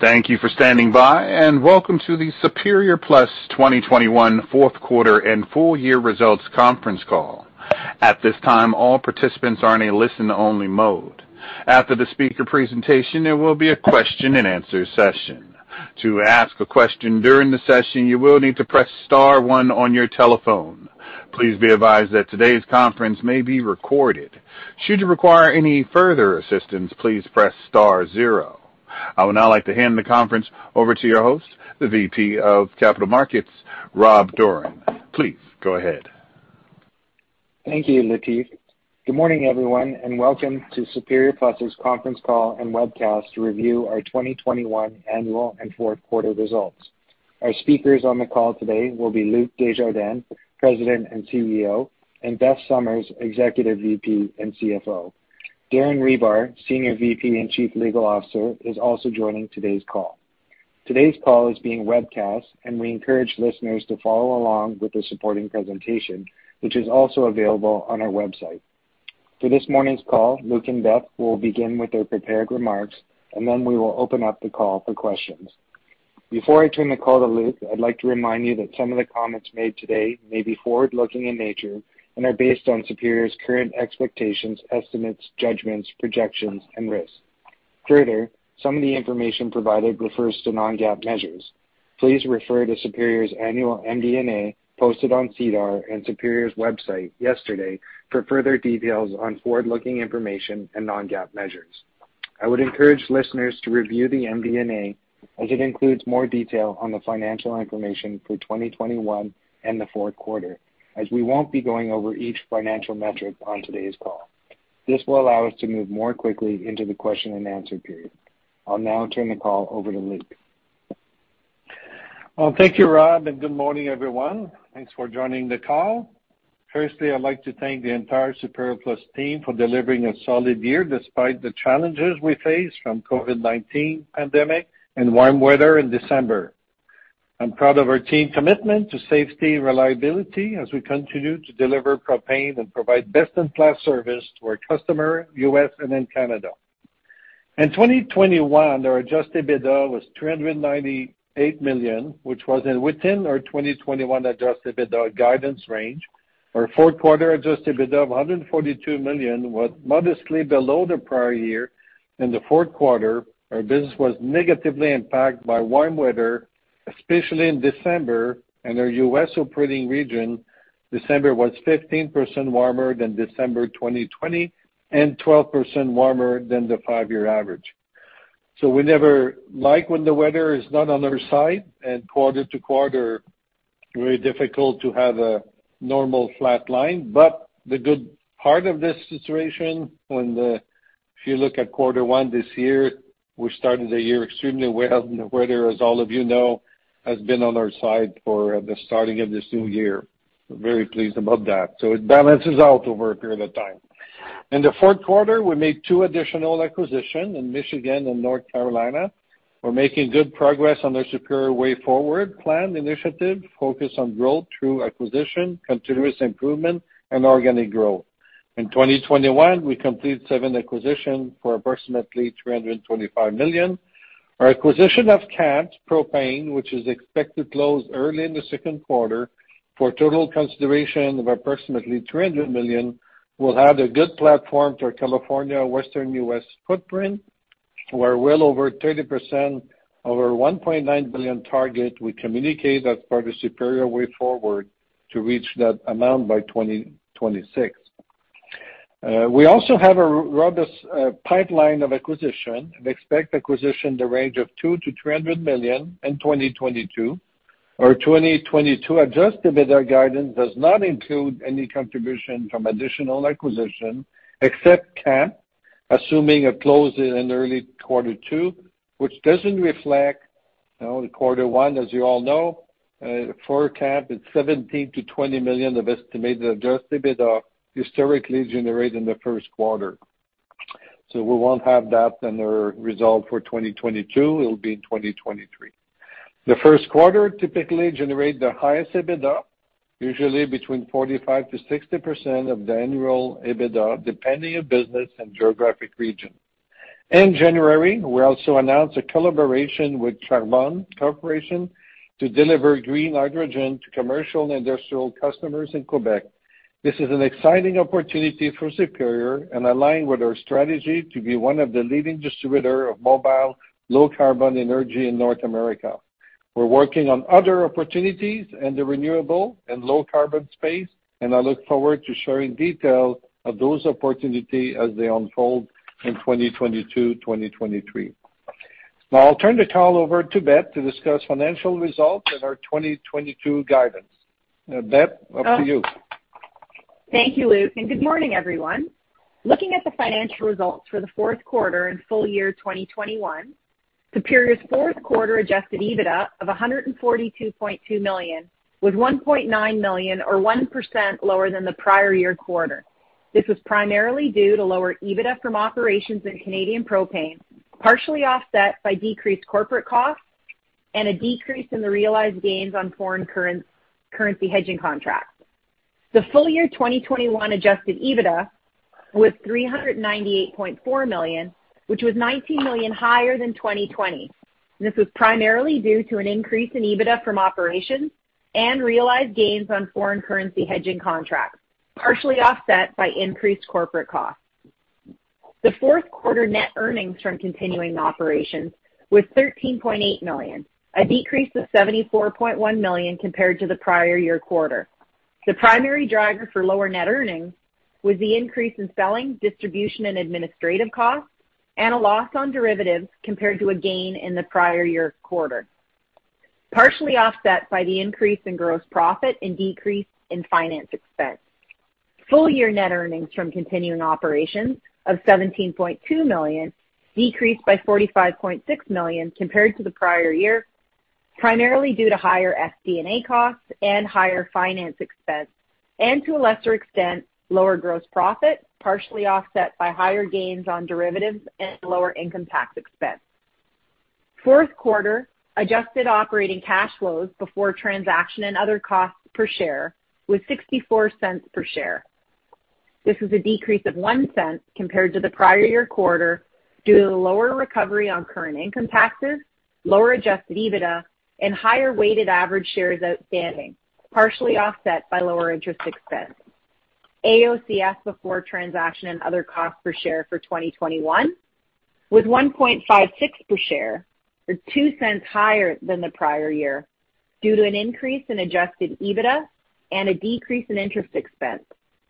Thank you for standing by, and welcome to the Superior Plus 2021 fourth quarter and full year results conference call. At this time, all participants are in a listen only mode. After the speaker presentation, there will be a question and answer session. To ask a question during the session, you will need to press star one on your telephone. Please be advised that today's conference may be recorded. Should you require any further assistance, please press star zero. I would now like to hand the conference over to your host, the VP of Capital Markets, Rob Dorran. Please go ahead. Thank you, Latif. Good morning, everyone, and welcome to Superior Plus's conference call and webcast to review our 2021 annual and fourth quarter results. Our speakers on the call today will be Luc Desjardins, President and CEO, and Beth Summers, Executive VP and CFO. Darren Hribar, Senior VP and Chief Legal Officer, is also joining today's call. Today's call is being webcast, and we encourage listeners to follow along with the supporting presentation, which is also available on our website. For this morning's call, Luc and Beth will begin with their prepared remarks, and then we will open up the call for questions. Before I turn the call to Luc, I'd like to remind you that some of the comments made today may be forward-looking in nature and are based on Superior's current expectations, estimates, judgments, projections, and risks. Further, some of the information provided refers to non-GAAP measures. Please refer to Superior's annual MD&A posted on SEDAR and Superior's website yesterday for further details on forward-looking information and non-GAAP measures. I would encourage listeners to review the MD&A, as it includes more detail on the financial information for 2021 and the fourth quarter, as we won't be going over each financial metric on today's call. This will allow us to move more quickly into the question-and-answer period. I'll now turn the call over to Luc. Well, thank you, Rob, and good morning, everyone. Thanks for joining the call. Firstly, I'd like to thank the entire Superior Plus team for delivering a solid year despite the challenges we face from COVID-19 pandemic and warm weather in December. I'm proud of our team commitment to safety and reliability as we continue to deliver propane and provide best-in-class service to our customers in the U.S. and in Canada. In 2021, our adjusted EBITDA was 398 million, which was within our 2021 adjusted EBITDA guidance range. Our fourth quarter adjusted EBITDA of 142 million was modestly below the prior year. In the fourth quarter, our business was negatively impacted by warm weather, especially in December. In our U.S. operating region, December was 15% warmer than December 2020 and 12% warmer than the five-year average. We never like when the weather is not on our side, and quarter to quarter, very difficult to have a normal flat line. The good part of this situation, if you look at quarter one this year, we started the year extremely well. The weather, as all of you know, has been on our side for the starting of this new year. We're very pleased about that. It balances out over a period of time. In the fourth quarter, we made two additional acquisitions in Michigan and North Carolina. We're making good progress on their Superior Way Forward plan initiative focused on growth through acquisition, continuous improvement, and organic growth. In 2021, we completed seven acquisitions for approximately 325 million. Our acquisition of Kamps Propane, which is expected to close early in the second quarter for a total consideration of approximately $300 million, will have a good platform for California Western U.S. footprint. We're well over 30% over 1.9 billion target. We communicate as part of the Superior Way Forward to reach that amount by 2026. We also have a robust pipeline of acquisition and expect acquisition in the range of $200 million-$300 million in 2022. Our 2022 adjusted EBITDA guidance does not include any contribution from additional acquisition except Kamps, assuming a close in early quarter two, which doesn't reflect, you know, the quarter one, as you all know. For Kamps, it's $17 million-$20 million of estimated adjusted EBITDA historically generated in the first quarter. We won't have that in our result for 2022. It'll be in 2023. The first quarter typically generate the highest EBITDA, usually between 45%-60% of the annual EBITDA, depending on business and geographic region. In January, we also announced a collaboration with Charbone Corporation to deliver green hydrogen to commercial and industrial customers in Quebec. This is an exciting opportunity for Superior and aligns with our strategy to be one of the leading distributors of mobile low-carbon energy in North America. We're working on other opportunities in the renewable and low-carbon space, and I look forward to sharing details of those opportunities as they unfold in 2022-2023. Now, I'll turn the call over to Beth to discuss financial results and our 2022 guidance. Beth, up to you. Thank you, Luc, and good morning, everyone. Looking at the financial results for the fourth quarter and full year 2021, Superior's fourth quarter adjusted EBITDA of 142.2 million-1.9 million or 1% lower than the prior year quarter. This was primarily due to lower EBITDA from operations in Canadian propane, partially offset by decreased corporate costs and a decrease in the realized gains on foreign currency hedging contracts. The full year 2021 adjusted EBITDA was 398.4 million, which was 19 million higher than 2020. This was primarily due to an increase in EBITDA from operations and realized gains on foreign currency hedging contracts, partially offset by increased corporate costs. The fourth quarter net earnings from continuing operations was 13.8 million, a decrease of 74.1 million compared to the prior year quarter. The primary driver for lower net earnings was the increase in selling, distribution and administrative costs and a loss on derivatives compared to a gain in the prior year quarter, partially offset by the increase in gross profit and decrease in finance expense. Full year net earnings from continuing operations of 17.2 million decreased by 45.6 million compared to the prior year, primarily due to higher SG&A costs and higher finance expense and to a lesser extent, lower gross profit, partially offset by higher gains on derivatives and lower income tax expense. Fourth quarter adjusted operating cash flows before transaction and other costs per share was 0.64 per share. This was a decrease of 0.01 compared to the prior year quarter due to the lower recovery on current income taxes, lower adjusted EBITDA and higher weighted average shares outstanding, partially offset by lower interest expense. AOCS before transaction and other costs per share for 2021 was 1.56 per share, or 0.02 higher than the prior year due to an increase in adjusted EBITDA and a decrease in interest expense.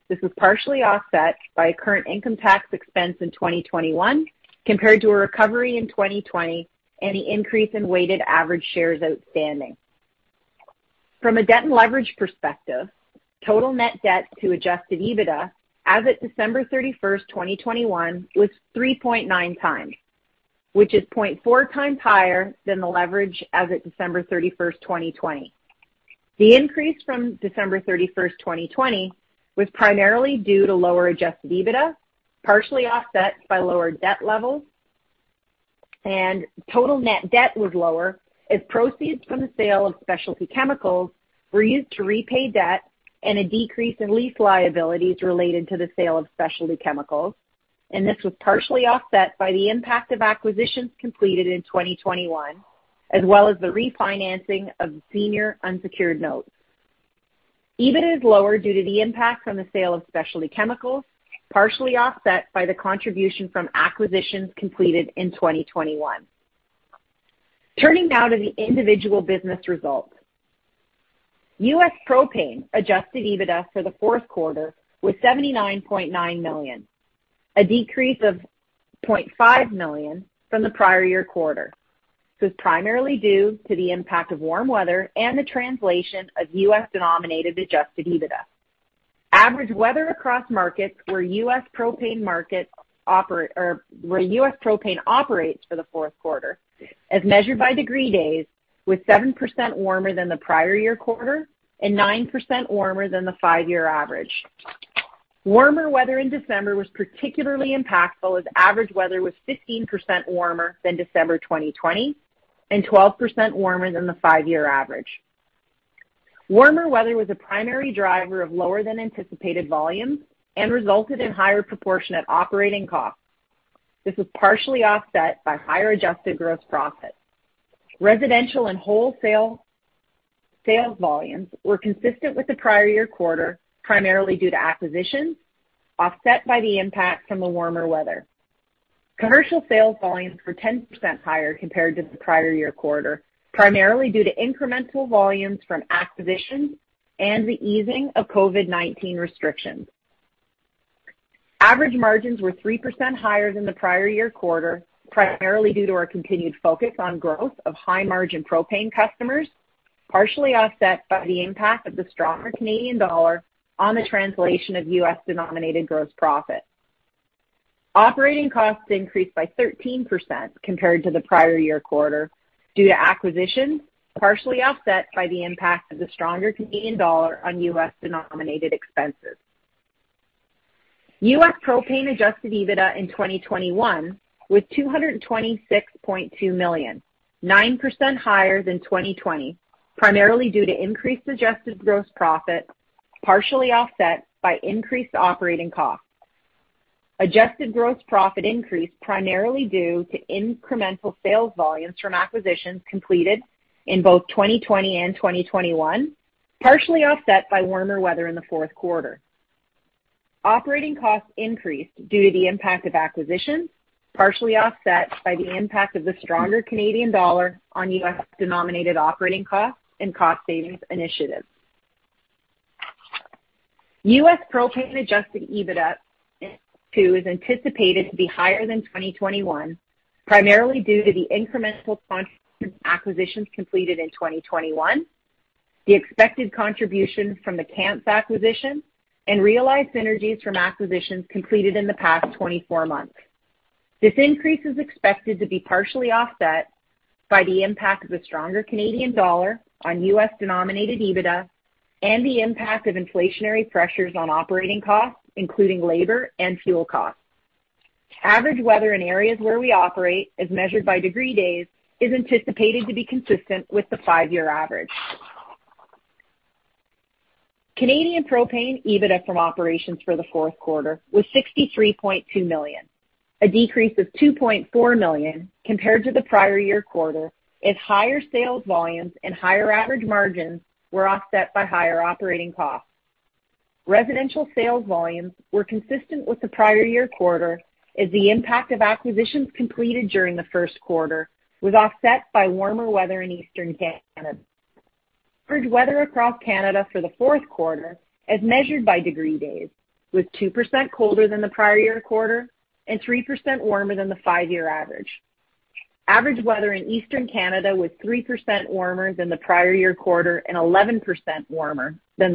This was partially offset by current income tax expense in 2021 compared to a recovery in 2020 and the increase in weighted average shares outstanding. From a debt and leverage perspective, total net debt to adjusted EBITDA as of December 31, 2021 was 3.9 times, which is 0.4 times higher than the leverage as of December 31, 2020. The increase from December 31, 2020 was primarily due to lower adjusted EBITDA, partially offset by lower debt levels. Total net debt was lower as proceeds from the sale of specialty chemicals were used to repay debt and a decrease in lease liabilities related to the sale of specialty chemicals. This was partially offset by the impact of acquisitions completed in 2021 as well as the refinancing of senior unsecured notes. EBIT is lower due to the impact from the sale of specialty chemicals, partially offset by the contribution from acquisitions completed in 2021. Turning now to the individual business results. U.S. Propane adjusted EBITDA for the fourth quarter was $79.9 million, a decrease of $0.5 million from the prior year quarter. This is primarily due to the impact of warm weather and the translation of U.S. denominated adjusted EBITDA. Average weather across markets where U.S. Propane markets operate or where U.S. Propane operates for the fourth quarter, as measured by degree days, was 7% warmer than the prior year quarter and 9% warmer than the five-year average. Warmer weather in December was particularly impactful as average weather was 15% warmer than December 2020 and 12% warmer than the five-year average. Warmer weather was a primary driver of lower than anticipated volumes and resulted in higher proportion of operating costs. This was partially offset by higher adjusted gross profits. Residential and wholesale sales volumes were consistent with the prior-year quarter, primarily due to acquisitions, offset by the impact from the warmer weather. Commercial sales volumes were 10% higher compared to the prior-year quarter, primarily due to incremental volumes from acquisitions and the easing of COVID-19 restrictions. Average margins were 3% higher than the prior-year quarter, primarily due to our continued focus on growth of high-margin propane customers, partially offset by the impact of the stronger Canadian dollar on the translation of U.S.-denominated gross profit. Operating costs increased by 13% compared to the prior-year quarter due to acquisitions, partially offset by the impact of the stronger Canadian dollar on U.S.-denominated expenses. U.S. propane adjusted EBITDA in 2021 was $226.2 million, 9% higher than 2020, primarily due to increased adjusted gross profit, partially offset by increased operating costs. Adjusted gross profit increased primarily due to incremental sales volumes from acquisitions completed in both 2020 and 2021, partially offset by warmer weather in the fourth quarter. Operating costs increased due to the impact of acquisitions, partially offset by the impact of the stronger Canadian dollar on U.S.-denominated operating costs and cost savings initiatives. U.S. propane adjusted EBITDA in 2022 is anticipated to be higher than 2021, primarily due to the incremental contributions from acquisitions completed in 2021, the expected contribution from the Kamps acquisition and realized synergies from acquisitions completed in the past 24 months. This increase is expected to be partially offset by the impact of the stronger Canadian dollar on US-denominated EBITDA and the impact of inflationary pressures on operating costs, including labor and fuel costs. Average weather in areas where we operate, as measured by degree days, is anticipated to be consistent with the five-year average. Canadian propane EBITDA from operations for the fourth quarter was 63.2 million, a decrease of 2.4 million compared to the prior year quarter, as higher sales volumes and higher average margins were offset by higher operating costs. Residential sales volumes were consistent with the prior year quarter as the impact of acquisitions completed during the first quarter was offset by warmer weather in Eastern Canada. Average weather across Canada for the fourth quarter, as measured by degree days, was 2% colder than the prior year quarter and 3% warmer than the five-year average. Average weather in Eastern Canada was 3% warmer than the prior year quarter and 11% warmer than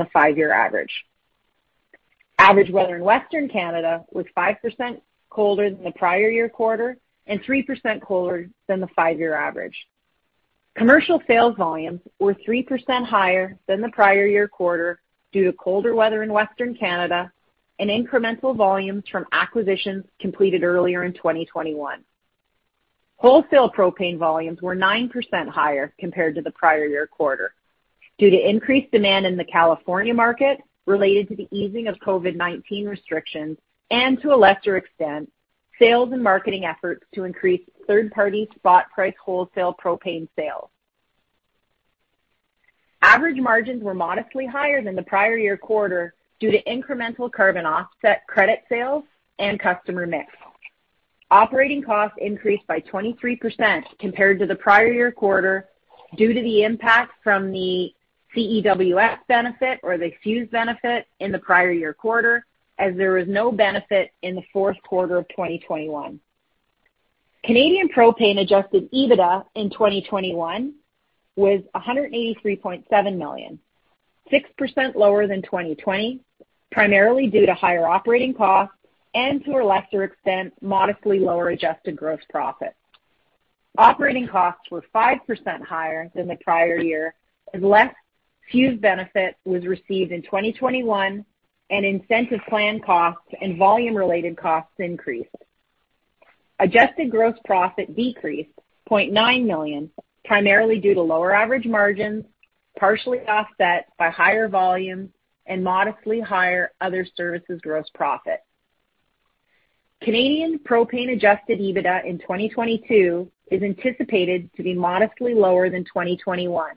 the five-year average. Average weather in Western Canada was 5% colder than the prior year quarter and 3% colder than the five-year average. Commercial sales volumes were 3% higher than the prior year quarter due to colder weather in Western Canada and incremental volumes from acquisitions completed earlier in 2021. Wholesale propane volumes were 9% higher compared to the prior year quarter due to increased demand in the California market related to the easing of COVID-19 restrictions and to a lesser extent, sales and marketing efforts to increase third-party spot price wholesale propane sales. Average margins were modestly higher than the prior year quarter due to incremental carbon offset credit sales and customer mix. Operating costs increased by 23% compared to the prior year quarter due to the impact from the CEWS benefit in the prior year quarter, as there was no benefit in the fourth quarter of 2021. Canadian propane adjusted EBITDA in 2021 was 183.7 million, 6% lower than 2020, primarily due to higher operating costs and to a lesser extent, modestly lower adjusted gross profit. Operating costs were 5% higher than the prior year as less CEWS benefit was received in 2021, and incentive plan costs and volume-related costs increased. Adjusted gross profit decreased 0.9 million, primarily due to lower average margins, partially offset by higher volumes and modestly higher other services gross profit. Canadian propane adjusted EBITDA in 2022 is anticipated to be modestly lower than 2021,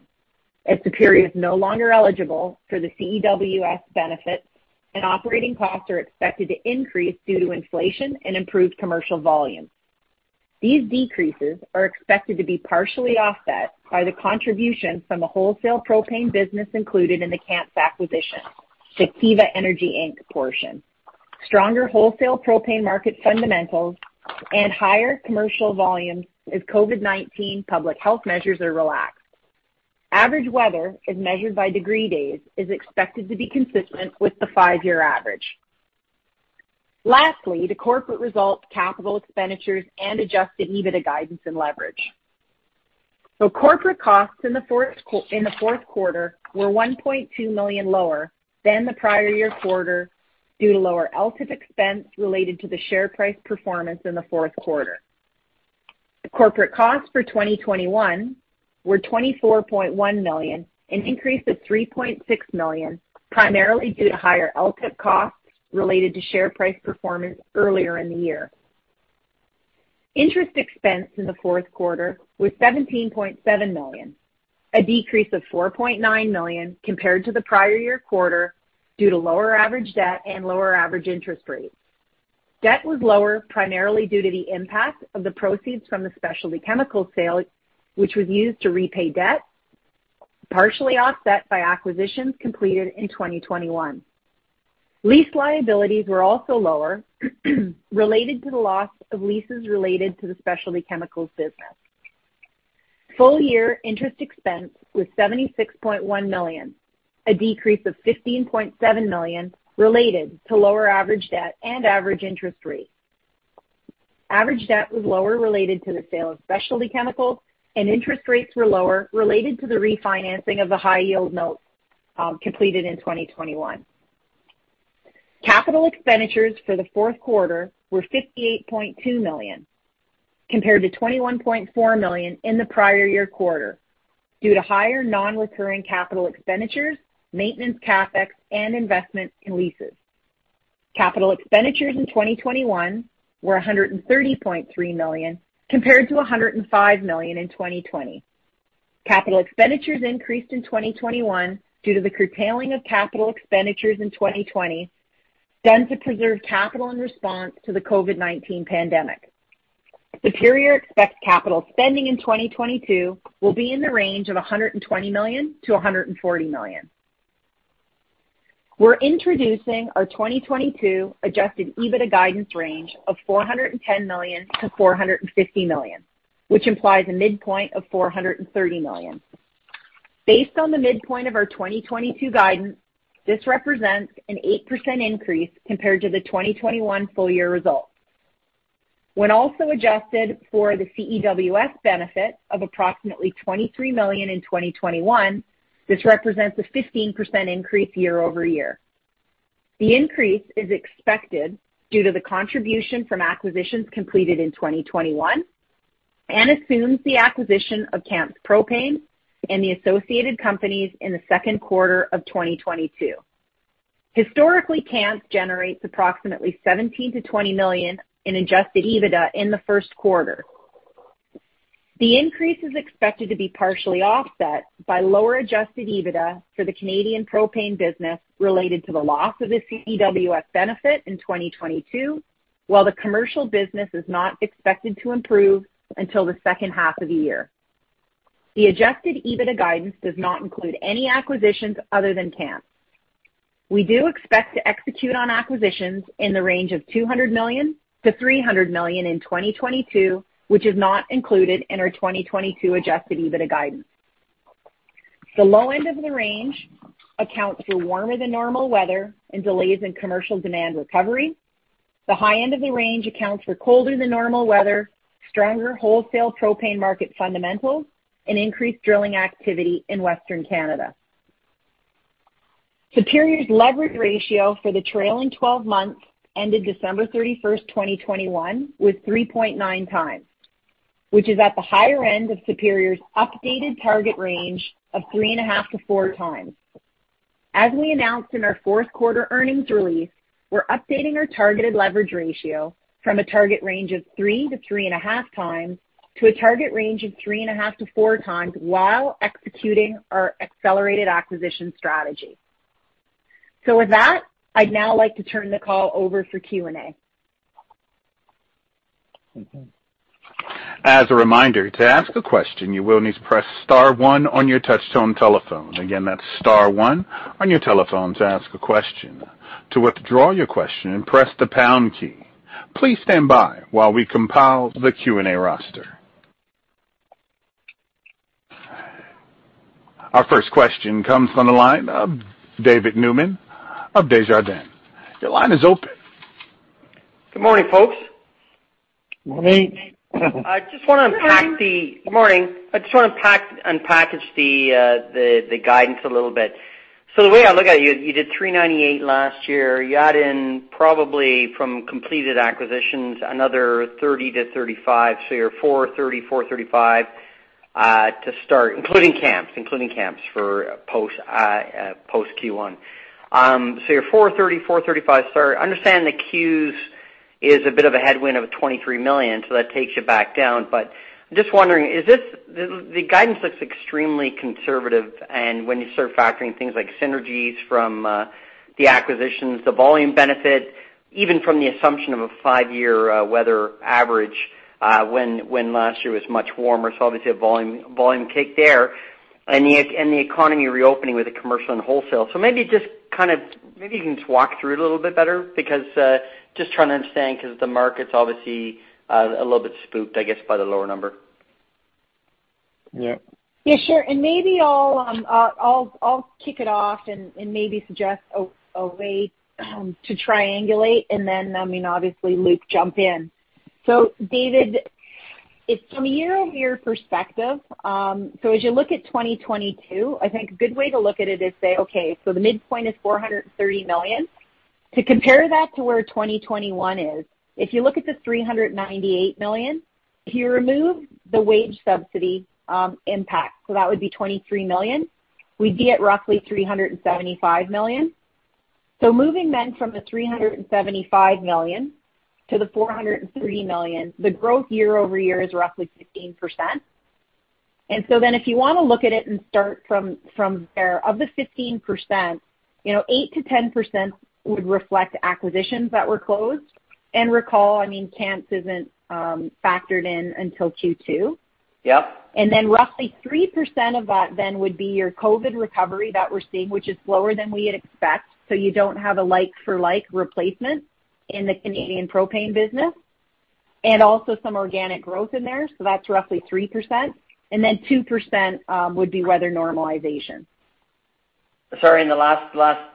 as Superior is no longer eligible for the CEWS benefit and operating costs are expected to increase due to inflation and improved commercial volumes. These decreases are expected to be partially offset by the contribution from the wholesale propane business included in the Kamps acquisition, the Kiva Energy Inc. portion, stronger wholesale propane market fundamentals and higher commercial volumes as COVID-19 public health measures are relaxed. Average weather, measured by degree days, is expected to be consistent with the five-year average. Lastly, the corporate results, capital expenditures and adjusted EBITDA guidance and leverage. Corporate costs in the fourth quarter were 1.2 million lower than the prior year quarter due to lower LTIP expense related to the share price performance in the fourth quarter. Corporate costs for 2021 were $24.1 million, an increase of $3.6 million, primarily due to higher LTIP costs related to share price performance earlier in the year. Interest expense in the fourth quarter was $17.7 million, a decrease of $4.9 million compared to the prior year quarter due to lower average debt and lower average interest rates. Debt was lower primarily due to the impact of the proceeds from the specialty chemicals sale, which was used to repay debt, partially offset by acquisitions completed in 2021. Lease liabilities were also lower related to the loss of leases related to the specialty chemicals business. Full-year interest expense was $76.1 million, a decrease of $15.7 million related to lower average debt and average interest rates. Average debt was lower related to the sale of specialty chemicals and interest rates were lower related to the refinancing of the high yield notes, completed in 2021. Capital expenditures for the fourth quarter were 58.2 million compared to 21.4 million in the prior year quarter due to higher non-recurring capital expenditures, maintenance CapEx, and investment in leases. Capital expenditures in 2021 were 130.3 million compared to 105 million in 2020. Capital expenditures increased in 2021 due to the curtailing of capital expenditures in 2020, done to preserve capital in response to the COVID-19 pandemic. Superior expects capital spending in 2022 will be in the range of 120 million-140 million. We're introducing our 2022 adjusted EBITDA guidance range of 410 million-450 million, which implies a midpoint of 430 million. Based on the midpoint of our 2022 guidance, this represents an 8% increase compared to the 2021 full-year results. When also adjusted for the CEWS benefit of approximately CAD 23 million in 2021. This represents a 15% increase year over year. The increase is expected due to the contribution from acquisitions completed in 2021 and assumes the acquisition of Kamps Propane and the associated companies in the second quarter of 2022. Historically, Kamps generates approximately 17 million-20 million in adjusted EBITDA in the first quarter. The increase is expected to be partially offset by lower adjusted EBITDA for the Canadian propane business related to the loss of the CEWS benefit in 2022, while the commercial business is not expected to improve until the second half of the year. The adjusted EBITDA guidance does not include any acquisitions other than Kamps. We do expect to execute on acquisitions in the range of 200 million-300 million in 2022, which is not included in our 2022 adjusted EBITDA guidance. The low end of the range accounts for warmer than normal weather and delays in commercial demand recovery. The high end of the range accounts for colder than normal weather, stronger wholesale propane market fundamentals, and increased drilling activity in Western Canada. Superior's leverage ratio for the trailing 12 months ended December 31, 2021 was 3.9 times, which is at the higher end of Superior's updated target range of 3.5-4 times. As we announced in our fourth quarter earnings release, we're updating our targeted leverage ratio from a target range of 3-3.5 times to a target range of 3.5-4 times while executing our accelerated acquisition strategy. With that, I'd now like to turn the call over for Q&A. As a reminder, to ask a question, you will need to press star one on your touch tone telephone. Again, that's star one on your telephone to ask a question. To withdraw your question, press the pound key. Please stand by while we compile the Q&A roster. Our first question comes from the line of David Newman of Desjardins. Your line is open. Good morning, folks. Morning. I just wanna unpack the Good morning. Good morning. I just wanna unpackage the guidance a little bit. The way I look at it, you did 398 million last year. You add in probably from completed acquisitions, another 30 million-35 million. You're 430 million-435 million to start, including Kamps for post-Q1. Your 430 million-435 million start. Understand the Qs is a bit of a headwind of 23 million, so that takes you back down, but just wondering, the guidance looks extremely conservative and when you start factoring things like synergies from the acquisitions, the volume benefit, even from the assumption of a five-year weather average, when last year was much warmer, so obviously a volume kick there. The economy reopening with the commercial and wholesale. Maybe you can just walk through it a little bit better because I'm just trying to understand 'cause the market's obviously a little bit spooked, I guess, by the lower number. Yeah. Yeah, sure. Maybe I'll kick it off and maybe suggest a way to triangulate, and then, I mean, obviously, Luc, jump in. David, it's from a year-over-year perspective, so as you look at 2022, I think a good way to look at it is say, okay, so the midpoint is 430 million. To compare that to where 2021 is, if you look at the 398 million, if you remove the wage subsidy impact, so that would be 23 million, we'd be at roughly 375 million. Moving then from the 375 million-430 million, the growth year-over-year is roughly 15%. If you wanna look at it and start from there of the 15%, you know, 8%-10% would reflect acquisitions that were closed. Recall, I mean, Kamps isn't factored in until Q2. Yep. Roughly 3% of that then would be your COVID recovery that we're seeing, which is slower than we had expected. You don't have a like for like replacement in the Canadian propane business. Also some organic growth in there, so that's roughly 3%. Then 2% would be weather normalization. Sorry, the last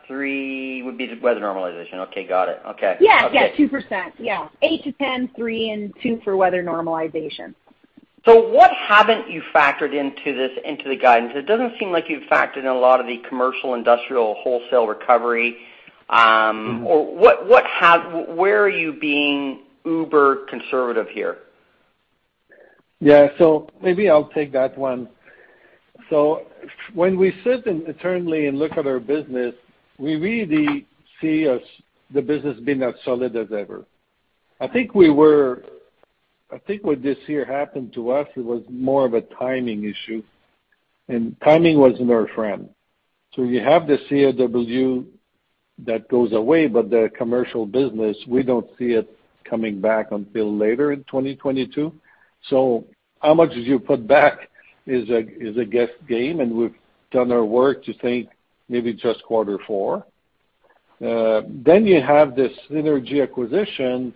three would be the weather normalization. Okay, got it. Okay. Yes. Yes, 2%. Yeah, 8-10, three and two for weather normalization. What haven't you factored into this, into the guidance? It doesn't seem like you've factored in a lot of the commercial, industrial, wholesale recovery. Where are you being uber conservative here? Yeah. Maybe I'll take that one. When we sit internally and look at our business, we really see the business being as solid as ever. I think what this year happened to us was more of a timing issue, and timing wasn't our friend. You have the CEWS that goes away, but the commercial business, we don't see it coming back until later in 2022. How much did you put back is a guess game, and we've done our work to think maybe just quarter four. Then you have this energy acquisition.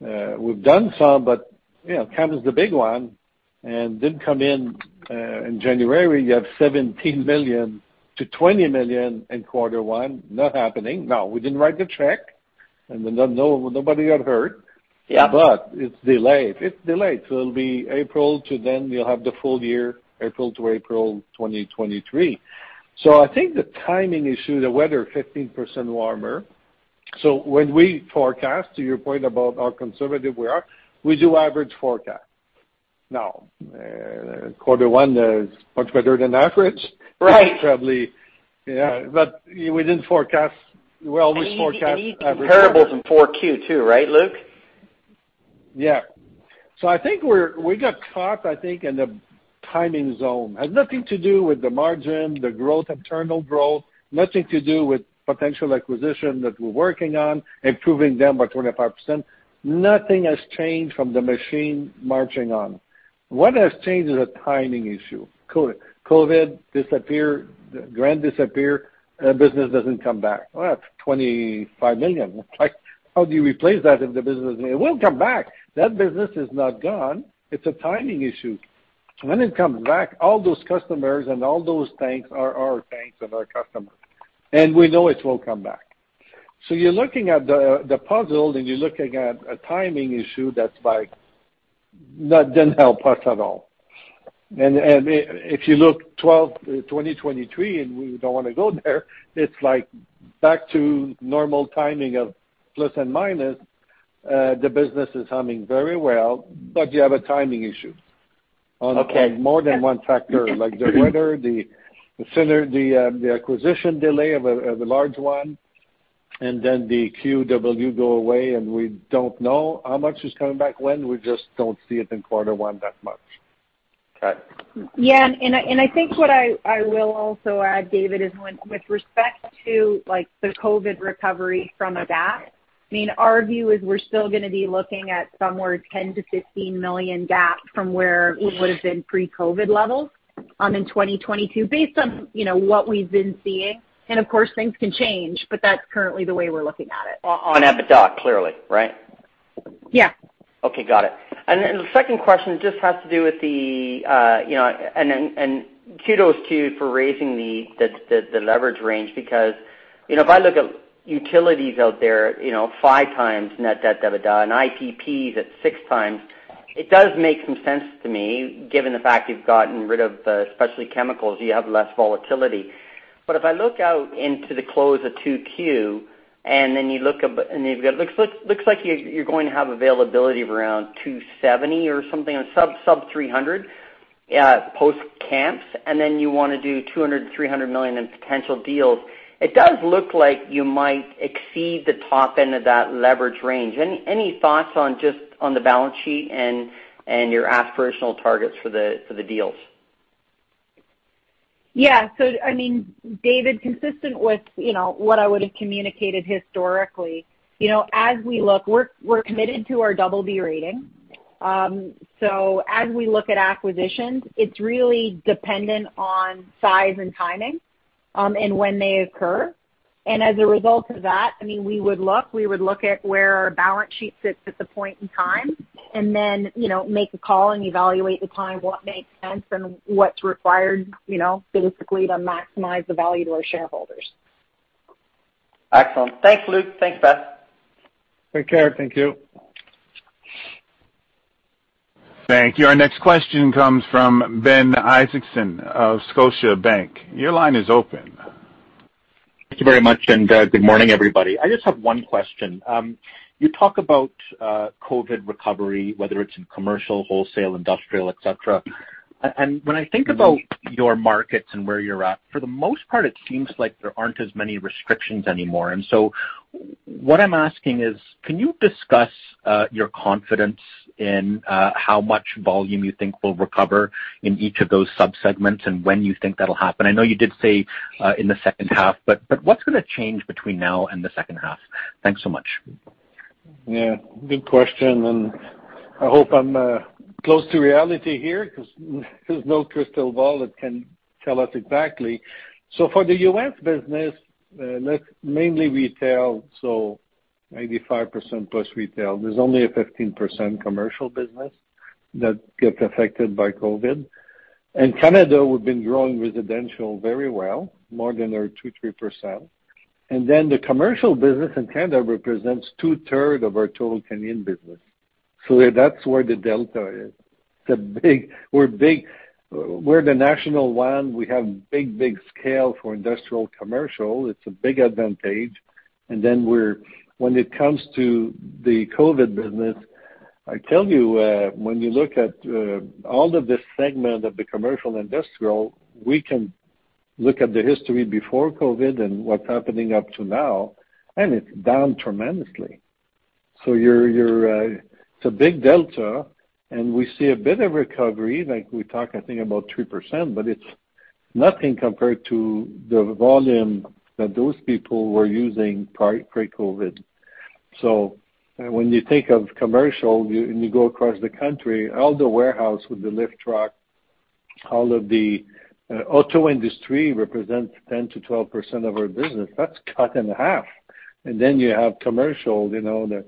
We've done some, but, you know, Kamps is the big one and didn't come in in January. You have $17 million-$20 million in quarter one. Not happening. No, we didn't write the check. Then no, nobody got hurt. Yeah. It's delayed, so it'll be April to then you'll have the full year, April to April 2023. I think the timing issue, the weather, 15% warmer. When we forecast, to your point about how conservative we are, we do average forecast. Now, quarter one is much better than average. Right. Probably, yeah, but we didn't forecast. We always forecast average. Comparables in 4Q too, right, Luc? I think we're, we got caught, I think in the timing zone. It has nothing to do with the margin, the growth, internal growth, nothing to do with potential acquisition that we're working on, improving them by 25%. Nothing has changed from the machine marching on. What has changed is a timing issue. COVID disappear, grant disappear, business doesn't come back. Well, that's 25 million. Like, how do you replace that if the business may. It will come back. That business is not gone. It's a timing issue. When it comes back, all those customers and all those tanks are our tanks and our customers. We know it will come back. You're looking at the puzzle, and you're looking at a timing issue that's like, that didn't help us at all. If you look to 2023 and we don't wanna go there, it's like back to normal timing of plus and minus, the business is humming very well, but you have a timing issue. Okay. On more than one factor, like the weather, the sector, the acquisition delay of a large one, and then the CEWS go away, and we don't know how much is coming back when. We just don't see it in quarter one that much. Got it. I think what I will also add, David, is with respect to, like, the COVID recovery from a gap. I mean, our view is we're still gonna be looking at somewhere 10 million-15 million gap from where it would have been pre-COVID levels in 2022. Based on, you know, what we've been seeing, and of course, things can change, but that's currently the way we're looking at it. On EBITDA, clearly, right? Yeah. Okay, got it. The second question just has to do with you know, kudos to you for raising the leverage range because, you know, if I look at utilities out there, you know, five times net debt to EBITDA and IPPs at six times, it does make some sense to me, given the fact you've gotten rid of especially chemicals, you have less volatility. If I look out into the close of 2Q, and then you look up, and you've got looks like you're going to have availability of around 270 or something, sub-300 post-Kamps, and then you want to do $200 million-$300 million in potential deals. It does look like you might exceed the top end of that leverage range. Any thoughts on just the balance sheet and your aspirational targets for the deals? Yeah. I mean, David, consistent with, you know, what I would have communicated historically, you know, as we look, we're committed to our BB rating. As we look at acquisitions, it's really dependent on size and timing, and when they occur. As a result of that, I mean, we would look at where our balance sheet sits at the point in time and then, you know, make a call and evaluate at the time, what makes sense and what's required, you know, specifically to maximize the value to our shareholders. Excellent. Thanks, Luc. Thanks, Beth. Take care. Thank you. Thank you. Our next question comes from Ben Isaacson of Scotiabank. Your line is open. Thank you very much, and good morning, everybody. I just have one question. You talk about COVID recovery, whether it's in commercial, wholesale, industrial, etc. When I think about your markets and where you're at, for the most part, it seems like there aren't as many restrictions anymore. What I'm asking is, can you discuss your confidence in how much volume you think will recover in each of those sub-segments and when you think that'll happen? I know you did say in the second half, but what's gonna change between now and the second half? Thanks so much. Yeah, good question. I hope I'm close to reality here because there's no crystal ball that can tell us exactly. For the U.S. business, that's mainly retail, so maybe 85% retail. There's only a 15% commercial business that gets affected by COVID. In Canada, we've been growing residential very well, more than our 2%-3%. The commercial business in Canada represents two-thirds of our total Canadian business. That's where the delta is. We're the national one. We have big scale for industrial commercial. It's a big advantage. When it comes to the COVID business, I tell you, when you look at all of this segment of the commercial industrial, we can look at the history before COVID and what's happening up to now, and it's down tremendously. It's a big delta, and we see a bit of recovery, like we talk, I think, about 3%, but it's nothing compared to the volume that those people were using pre-COVID. When you think of commercial, you and you go across the country, all the warehouse with the lift truck, all of the auto industry represents 10%-12% of our business. That's cut in half. Then you have commercial, you know,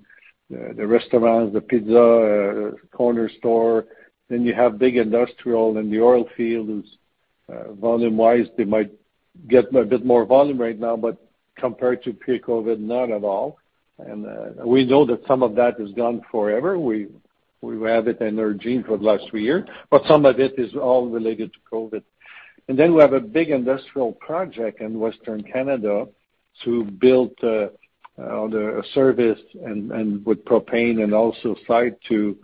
the restaurants, the pizza corner store, then you have big industrial, and the oil field is volume-wise, they might get a bit more volume right now, but compared to pre-COVID, none at all. We know that some of that is gone forever. We have it in our guidance for the last three years, but some of it is all related to COVID. We have a big industrial project in Western Canada to build other service and with propane and also supply to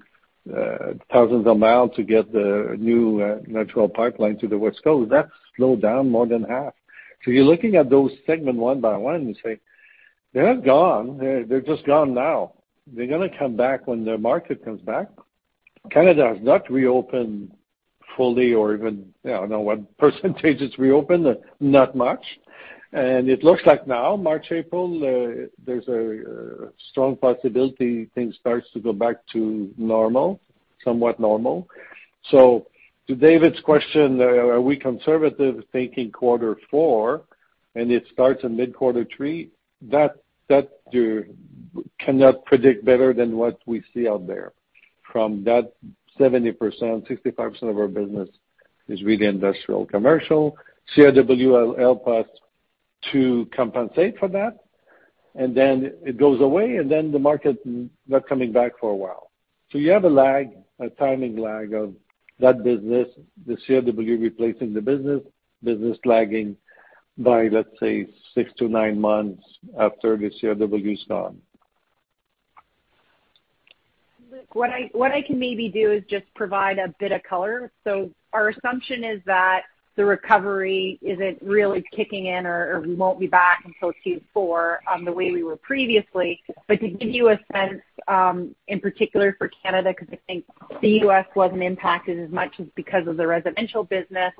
thousands of miles to get the new natural pipeline to the West Coast. That's slowed down more than half. You're looking at those segment one by one and say, they're not gone, they're just gone now. They're gonna come back when the market comes back. Canada has not reopened fully or even, I don't know what percentage is reopened, not much. It looks like now, March, April, there's a strong possibility things starts to go back to normal, somewhat normal. To David's question, are we conservative thinking quarter four and it starts in mid-quarter three? That you cannot predict better than what we see out there. From that 70%, 65% of our business is really industrial commercial. CEWS will help us to compensate for that. It goes away, and then the market not coming back for a while. You have a lag, a timing lag of that business, the CEWS replacing the business lagging by, let's say, 6-9 months after the CEWS is gone. Luc, what I can maybe do is just provide a bit of color. Our assumption is that the recovery isn't really kicking in or we won't be back until Q4, the way we were previously. To give you a sense, in particular for Canada, because I think the U.S. wasn't impacted as much as because of the residential business,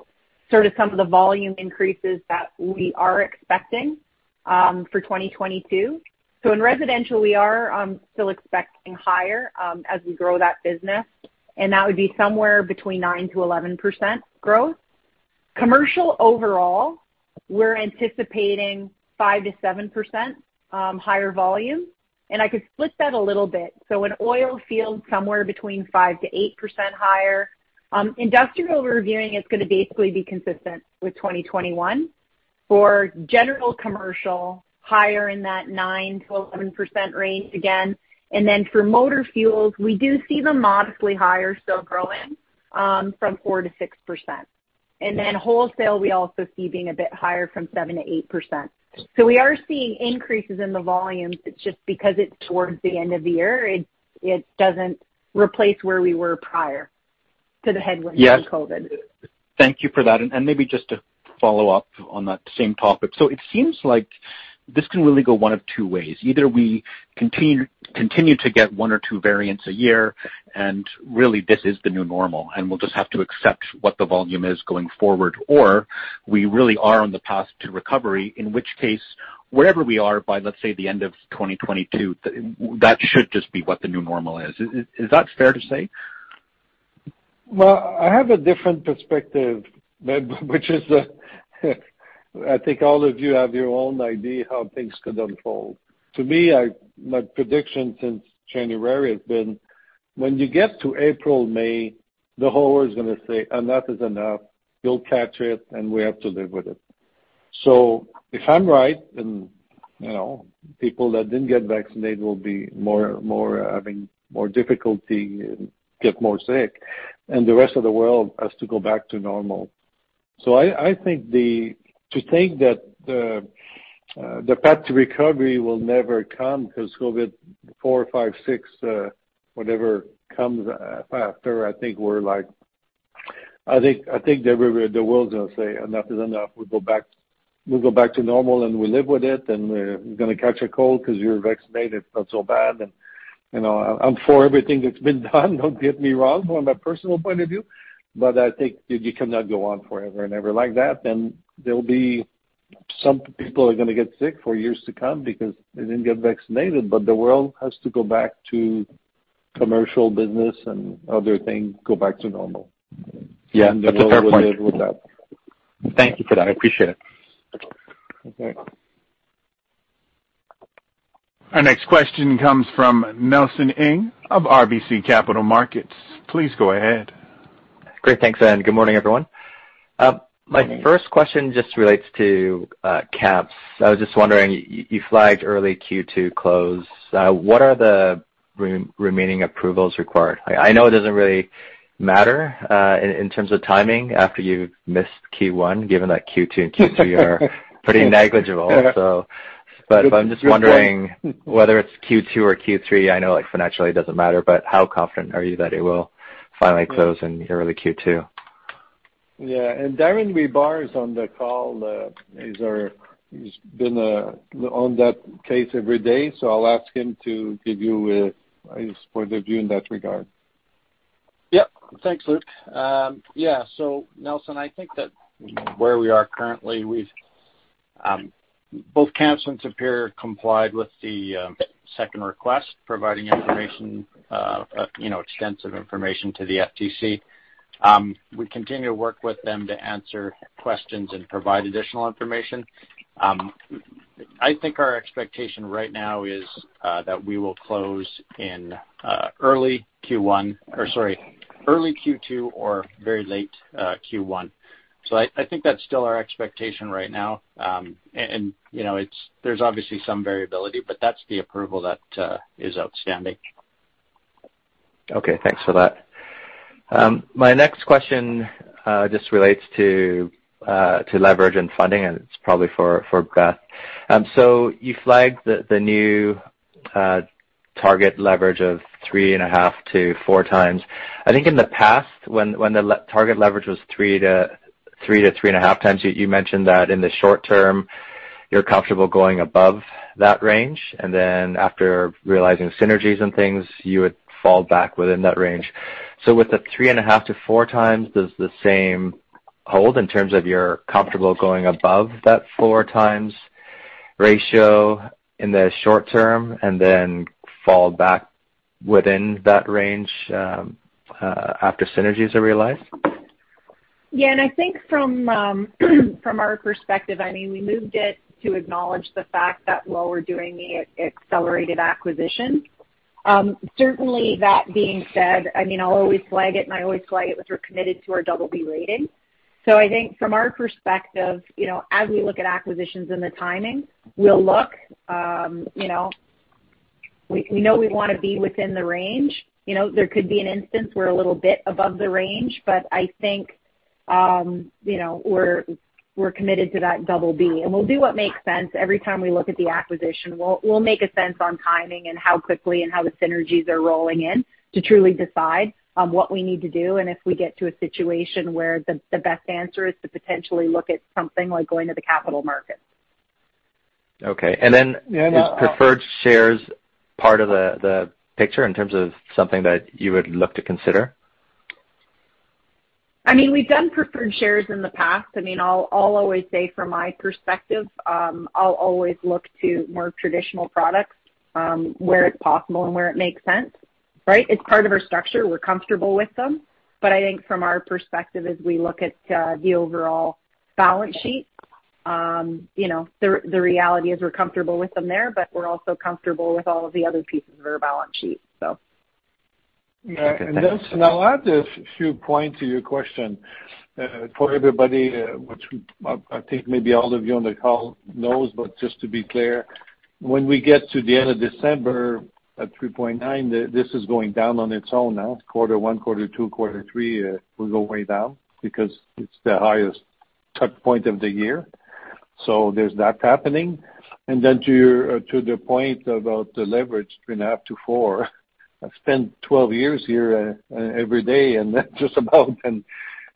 sort of some of the volume increases that we are expecting, for 2022. In residential, we are still expecting higher, as we grow that business, and that would be somewhere between 9%-11% growth. Commercial overall, we're anticipating 5%-7% higher volume. I could split that a little bit. In oil field, somewhere between 5%-8% higher. Industrial reviewing, it's gonna basically be consistent with 2021. For general commercial, higher in that 9%-11% range again. For motor fuels, we do see them modestly higher, still growing, from 4%-6%. Wholesale, we also see being a bit higher from 7%-8%. We are seeing increases in the volumes. It's just because it's towards the end of the year, it doesn't replace where we were prior to the headwinds of COVID. Yes. Thank you for that. Maybe just to follow up on that same topic. It seems like this can really go one of two ways. Either we continue to get one or two variants a year, and really, this is the new normal, and we'll just have to accept what the volume is going forward. We really are on the path to recovery, in which case wherever we are by, let's say, the end of 2022, that should just be what the new normal is. Is that fair to say? Well, I have a different perspective, which is, I think all of you have your own idea how things could unfold. To me, my prediction since January has been when you get to April, May, the whole world is gonna say, "Enough is enough. You'll catch it, and we have to live with it." If I'm right, you know, people that didn't get vaccinated will be more having more difficulty and get more sick, and the rest of the world has to go back to normal. I think to think that the path to recovery will never come 'cause COVID four, five, six, whatever comes after, I think the world's gonna say enough is enough. We go back to normal, and we live with it, and we're gonna catch a cold 'cause you're vaccinated, it's not so bad. You know, I'm for everything that's been done, don't get me wrong, from a personal point of view. I think you cannot go on forever and ever like that. There'll be some people are gonna get sick for years to come because they didn't get vaccinated, but the world has to go back to commercial business and other things go back to normal. Yeah, that's a fair point. We will live with that. Thank you for that. I appreciate it. Okay. Our next question comes from Nelson Ng of RBC Capital Markets. Please go ahead. Great. Thanks, and good morning, everyone. My first question just relates to Kamps. I was just wondering, you flagged early Q2 close. What are the remaining approvals required? I know it doesn't really matter in terms of timing after you missed Q1, given that Q2 and Q3 are pretty negligible. I'm just wondering whether it's Q2 or Q3. I know, like, financially, it doesn't matter, but how confident are you that it will finally close in early Q2? Yeah. Darren Hribar is on the call. He's been on that case every day. I'll ask him to give you his point of view in that regard. Yep. Thanks, Luc. Nelson, I think that where we are currently, we've both Kamps and Superior complied with the second request, providing information, you know, extensive information to the FTC. We continue to work with them to answer questions and provide additional information. I think our expectation right now is that we will close in early Q2 or very late Q1. I think that's still our expectation right now. You know, there's obviously some variability, but that's the approval that is outstanding. Okay, thanks for that. My next question just relates to leverage and funding, and it's probably for Beth. You flagged the new target leverage of 3.5-4 times. I think in the past when the target leverage was 3-3.5 times, you mentioned that in the short term you're comfortable going above that range, and then after realizing synergies and things, you would fall back within that range. With the 3.5-4 times, does the same hold in terms of you're comfortable going above that four times ratio in the short term and then fall back within that range after synergies are realized? Yeah. I think from our perspective, I mean, we moved it to acknowledge the fact that while we're doing the accelerated acquisition. Certainly that being said, I mean, I'll always flag it with we're committed to our BB rating. I think from our perspective, you know, as we look at acquisitions and the timing, we'll look, you know, we know we wanna be within the range. You know, there could be an instance we're a little bit above the range, but I think, you know, we're committed to that BB. We'll do what makes sense every time we look at the acquisition. We'll make sense on timing and how quickly and how the synergies are rolling in to truly decide on what we need to do, and if we get to a situation where the best answer is to potentially look at something like going to the capital markets. Okay. Yeah. Is preferred shares part of the picture in terms of something that you would look to consider? I mean, we've done preferred shares in the past. I mean, I'll always say from my perspective, I'll always look to more traditional products, where it's possible and where it makes sense, right? It's part of our structure. We're comfortable with them. I think from our perspective as we look at the overall balance sheet, the reality is we're comfortable with them there, but we're also comfortable with all of the other pieces of our balance sheet, so. Okay. Thanks. Now I'll add a few points to your question. For everybody, I think maybe all of you on the call knows, but just to be clear, when we get to the end of December at 3.9, this is going down on its own now. Quarter one, quarter two, quarter three will go way down because it's the highest touch point of the year. There's that happening. To the point about the leverage 3.5-4, I've spent 12 years here every day, and that's just about.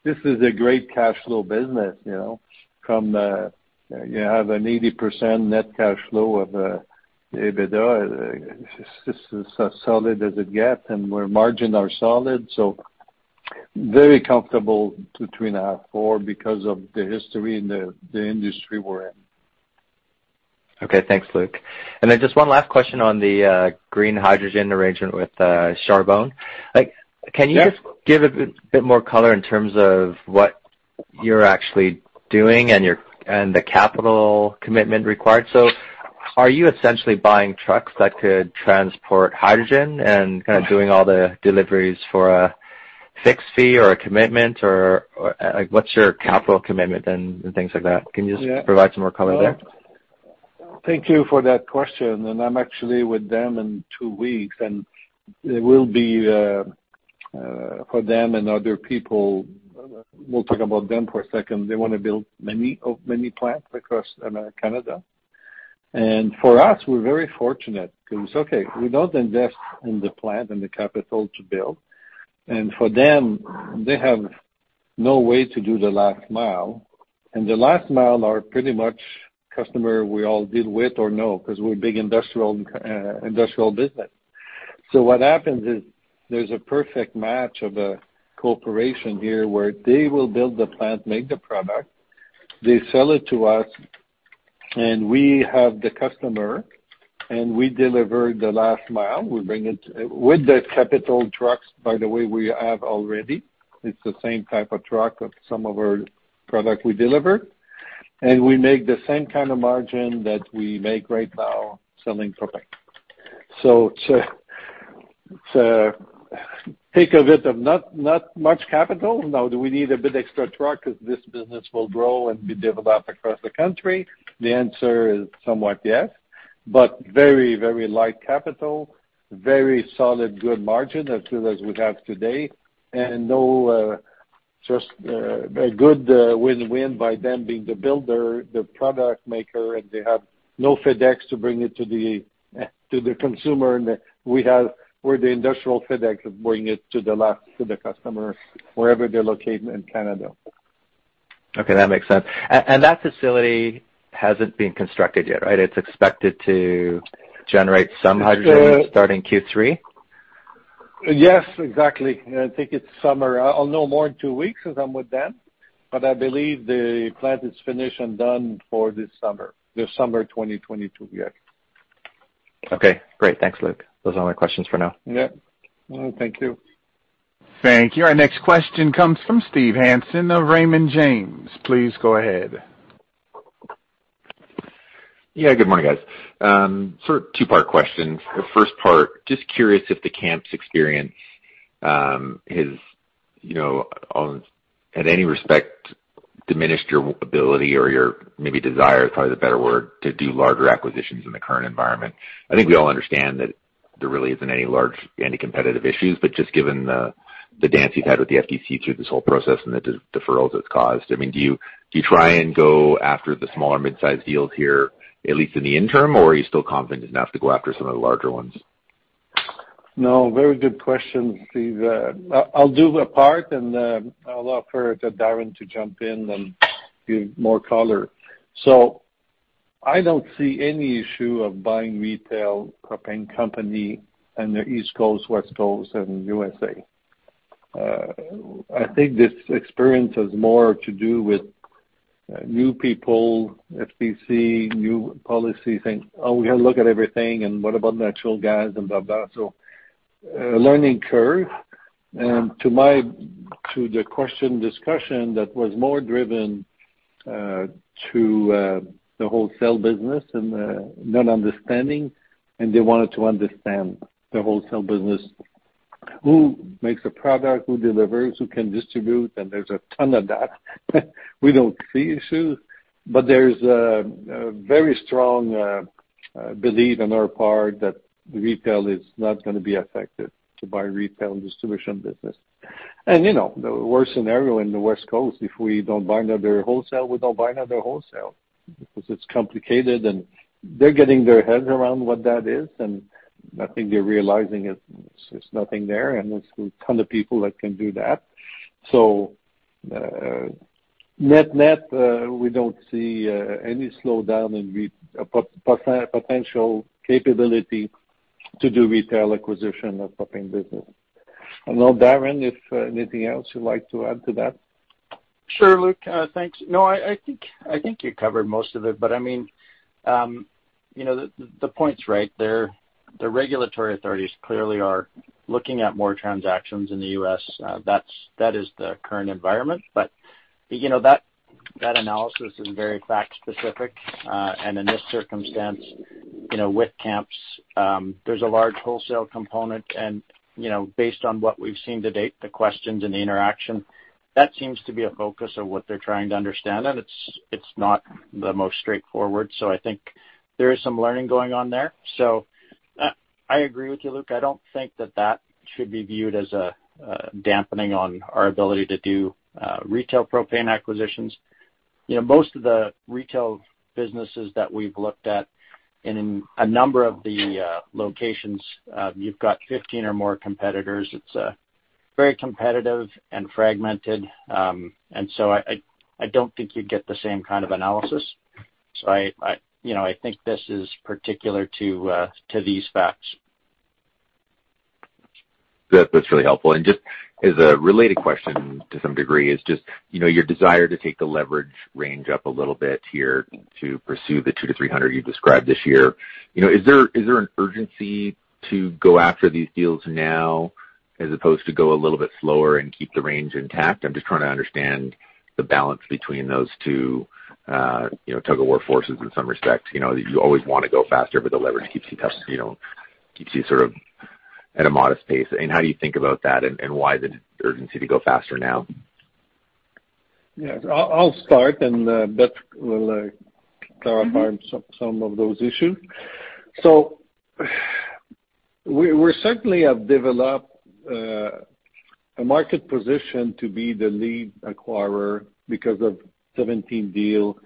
This is a great cash flow business, you know? From the, you have an 80% net cash flow of the EBITDA. This is as solid as it gets, and our margins are solid. Very comfortable between the half/four because of the history and the industry we're in. Okay, thanks, Luc. Just one last question on the green hydrogen arrangement with Charbone. Like Yeah. Can you just give a bit more color in terms of what you're actually doing and your and the capital commitment required? So are you essentially buying trucks that could transport hydrogen and kinda doing all the deliveries for a fixed fee or a commitment or like what's your capital commitment and things like that? Can you just Yeah. Provide some more color there? Thank you for that question. I'm actually with them in two weeks, and it will be for them and other people. We'll talk about them for a second. They wanna build many plants across Canada. For us, we're very fortunate 'cause, okay, we don't invest in the plant and the capital to build. For them, they have no way to do the last mile, and the last mile are pretty much customer we all deal with or know, 'cause we're big industrial business. What happens is there's a perfect match of a corporation here where they will build the plant, make the product, they sell it to us, and we have the customer, and we deliver the last mile. We bring it with the capital trucks, by the way, we have already. It's the same type of truck of some of our product we deliver. We make the same kind of margin that we make right now selling propane. To take a bit of not much capital. Now, do we need a bit extra truck 'cause this business will grow and be developed across the country? The answer is somewhat yes, but very, very light capital, very solid, good margin as good as we have today, and no, just a good win-win by them being the builder, the product maker, and they have no FedEx to bring it to the consumer. We're the industrial FedEx of bringing it to the customer wherever they're located in Canada. Okay, that makes sense. That facility hasn't been constructed yet, right? It's expected to generate some hydrogen starting Q3? Yes, exactly. I think it's summer. I'll know more in two weeks 'cause I'm with them, but I believe the plant is finished and done for this summer, 2022, yes. Okay, great. Thanks, Luc. Those are all my questions for now. Yeah. Well, thank you. Thank you. Our next question comes from Steve Hansen of Raymond James. Please go ahead. Yeah. Good morning, guys. Sort of two-part question. The first part, just curious if the Kamps experience has, you know, in any respect diminished your ability or your maybe desire is probably the better word, to do larger acquisitions in the current environment. I think we all understand that there really isn't any large anti-competitive issues, but just given the dance you've had with the FTC through this whole process and the divestitures it's caused. I mean, do you try and go after the smaller mid-sized deals here, at least in the interim, or are you still confident enough to go after some of the larger ones? No, very good question, Steve. I'll do a part, and then I'll offer to Darren to jump in and give more color. I don't see any issue of buying retail propane company under East Coast, West Coast, and USA. I think this experience has more to do with, new people, FTC, new policy saying, "Oh, we gotta look at everything," and what about natural gas and blah. A learning curve. To the question discussion that was more driven, to the wholesale business and not understanding, and they wanted to understand the wholesale business. Who makes a product, who delivers, who can distribute, and there's a ton of that. We don't see issues, but there's a very strong belief on our part that retail is not gonna be affected to buy retail and distribution business. You know, the worst scenario in the West Coast, if we don't buy another wholesale because it's complicated, and they're getting their heads around what that is. I think they're realizing it, there's nothing there, and there's a ton of people that can do that. Net-net, we don't see any slowdown in potential capability to do retail acquisition of propane business. I don't know, Darren, if anything else you'd like to add to that? Sure, Luc. Thanks. No, I think you covered most of it. I mean, you know, the point's right. The regulatory authorities clearly are looking at more transactions in the U.S. That is the current environment. You know, that analysis is very fact specific. In this circumstance, you know, with Kamps, there's a large wholesale component and, you know, based on what we've seen to date, the questions and the interaction, that seems to be a focus of what they're trying to understand. It's not the most straightforward. I think there is some learning going on there. I agree with you, Luc. I don't think that should be viewed as a dampening on our ability to do retail propane acquisitions. You know, most of the retail businesses that we've looked at in a number of the locations, you've got 15 or more competitors. It's very competitive and fragmented. I don't think you'd get the same kind of analysis. I, you know, I think this is particular to these facts. That's really helpful. Just as a related question to some degree is just, you know, your desire to take the leverage range up a little bit here to pursue the 200-300 you've described this year. You know, is there an urgency to go after these deals now as opposed to go a little bit slower and keep the range intact? I'm just trying to understand the balance between those two, you know, tug of war forces in some respects. You know, you always wanna go faster, but the leverage keeps, you know, keeps you sort of at a modest pace. How do you think about that, and why the urgency to go faster now? Yes. I'll start, and Beth will clarify some of those issues. We certainly have developed a market position to be the lead acquirer because of superior deal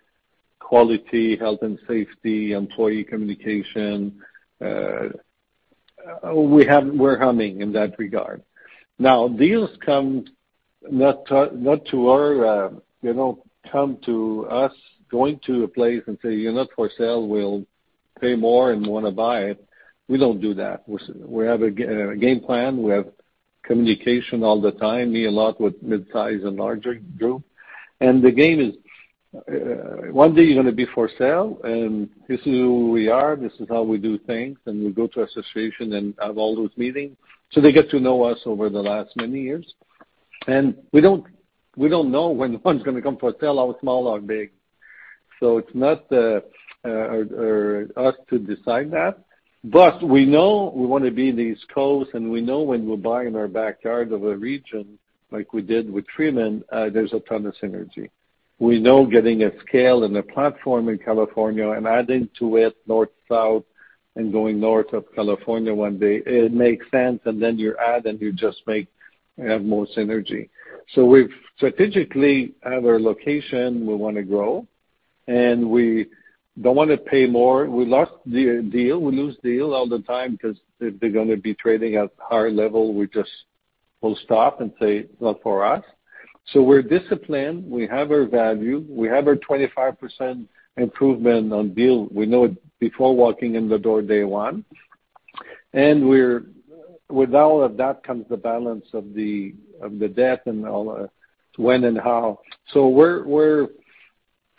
quality, health and safety, employee communication. We're humming in that regard. Now, deals come to us, going to a place and say, "You're not for sale, we'll pay more and wanna buy it." We don't do that. We have a game plan. We have communication all the time, I meet a lot with midsize and larger group. The game is, one day you're gonna be for sale, and this is who we are, this is how we do things, and we go to association and have all those meetings. They get to know us over the last many years. We don't know when one's gonna come for sale, how small or big. It's not up to us to decide that. We know we wanna be in the East Coast, and we know when we buy in our backyard of a region, like we did with Freeman, there's a ton of synergy. We know getting a scale and a platform in California and adding to it north, south, and going north of California one day, it makes sense, and then you add and you just make have more synergy. We've strategically have our location, we wanna grow, and we don't wanna pay more. We lost the deal. We lose deals all the time because if they're gonna be trading at higher level, we just will stop and say, "Not for us." We're disciplined. We have our value. We have our 25% improvement on deal. We know it before walking in the door day one. We're with all of that comes the balance of the debt and all, when and how. We're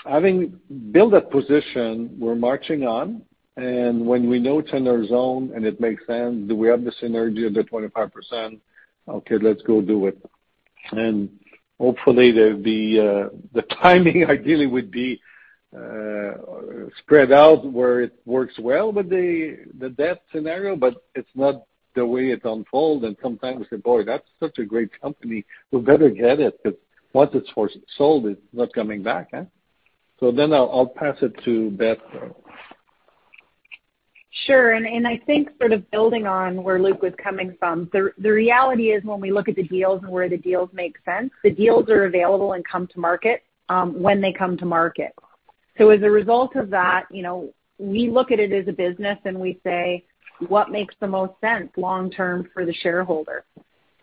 having to build that position, we're marching on. When we know it's in our zone and it makes sense, do we have the synergy of the 25%? Okay, let's go do it. Hopefully, the timing ideally would be spread out where it works well with the debt scenario, but it's not the way it unfolds. Sometimes we say, "Boy, that's such a great company. We better get it." Because once it's sold, it's not coming back, eh? I'll pass it to Beth. Sure. I think sort of building on where Luc was coming from, the reality is when we look at the deals and where the deals make sense, the deals are available and come to market, when they come to market. As a result of that, you know, we look at it as a business and we say, what makes the most sense long term for the shareholder?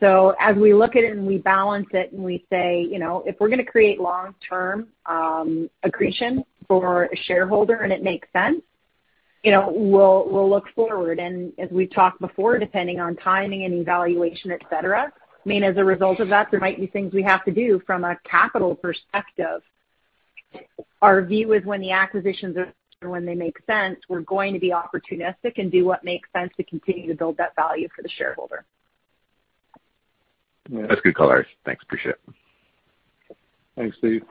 As we look at it and we balance it and we say, you know, if we're gonna create long-term accretion for a shareholder and it makes sense, you know, we'll look forward and as we've talked before, depending on timing and evaluation, et cetera, I mean, as a result of that, there might be things we have to do from a capital perspective. Our view is when they make sense, we're going to be opportunistic and do what makes sense to continue to build that value for the shareholder. Yeah. That's good colors. Thanks. Appreciate it. Thanks, Steve.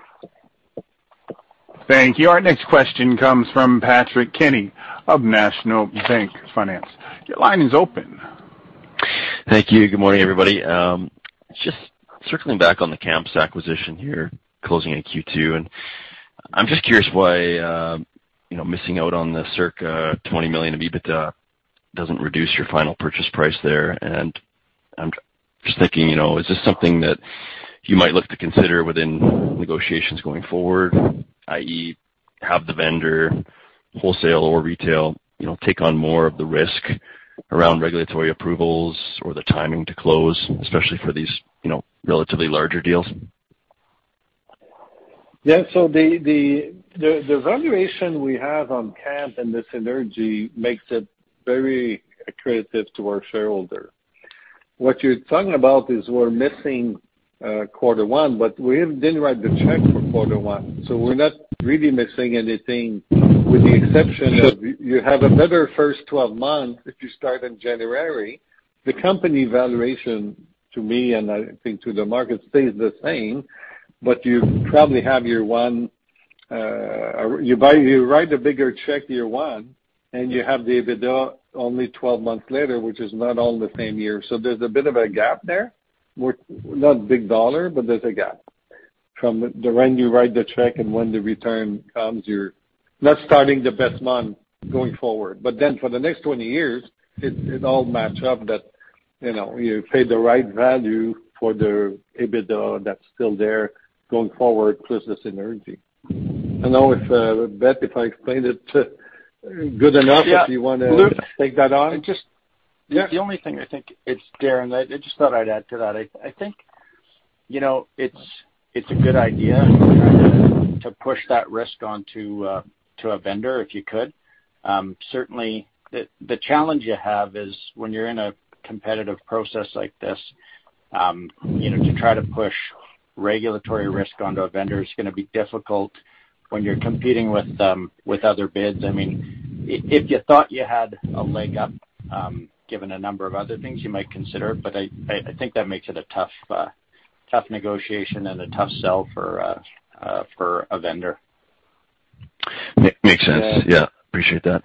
Thank you. Our next question comes from Patrick Kenny of National Bank Financial. Your line is open. Thank you. Good morning, everybody. Just circling back on the Kamps acquisition here closing in Q2, and I'm just curious why, you know, missing out on the circa $20 million of EBITDA doesn't reduce your final purchase price there. I'm just thinking, you know, is this something that you might look to consider within negotiations going forward, i.e., have the vendor wholesale or retail, you know, take on more of the risk around regulatory approvals or the timing to close, especially for these, you know, relatively larger deals? The valuation we have on Kamps and the synergy makes it very accretive to our shareholder. What you're talking about is we're missing quarter one, but we didn't write the check for quarter one, so we're not really missing anything with the exception of you have a better first 12 months if you start in January. The company valuation to me, and I think to the market, stays the same, but you probably have your. You write a bigger check year one, and you have the EBITDA only 12 months later, which is not all the same year. There's a bit of a gap there. Not big dollar, but there's a gap. From the time when you write the check and when the return comes, you're not starting the best month going forward. For the next 20 years, it all match up that, you know, you pay the right value for the EBITDA that's still there going forward plus the synergy. I don't know if, Beth, if I explained it good enough. If you wanna- Yeah. Luc? Take that on. Just- Yeah. It's Darren. I just thought I'd add to that. I think, you know, it's a good idea to push that risk onto a vendor if you could. Certainly the challenge you have is when you're in a competitive process like this, you know, to try to push regulatory risk onto a vendor is gonna be difficult when you're competing with other bids. I mean, if you thought you had a leg up, given a number of other things you might consider, but I think that makes it a tough negotiation and a tough sell for a vendor. Makes sense. Yeah. Yeah, appreciate that.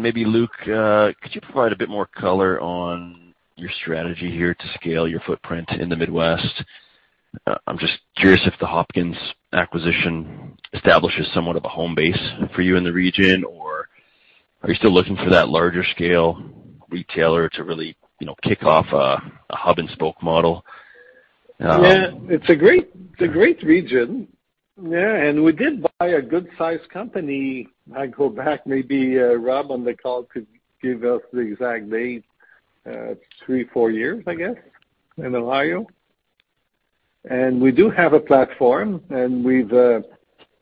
Maybe Luc could you provide a bit more color on your strategy here to scale your footprint in the Midwest? I'm just curious if the Hopkins acquisition establishes somewhat of a home base for you in the region, or are you still looking for that larger scale retailer to really, you know, kick off a hub and spoke model? It's a great region. We did buy a good size company. I go back, maybe Rob on the call could give us the exact date, 3-4 years, I guess, in Ohio. We do have a platform, and we've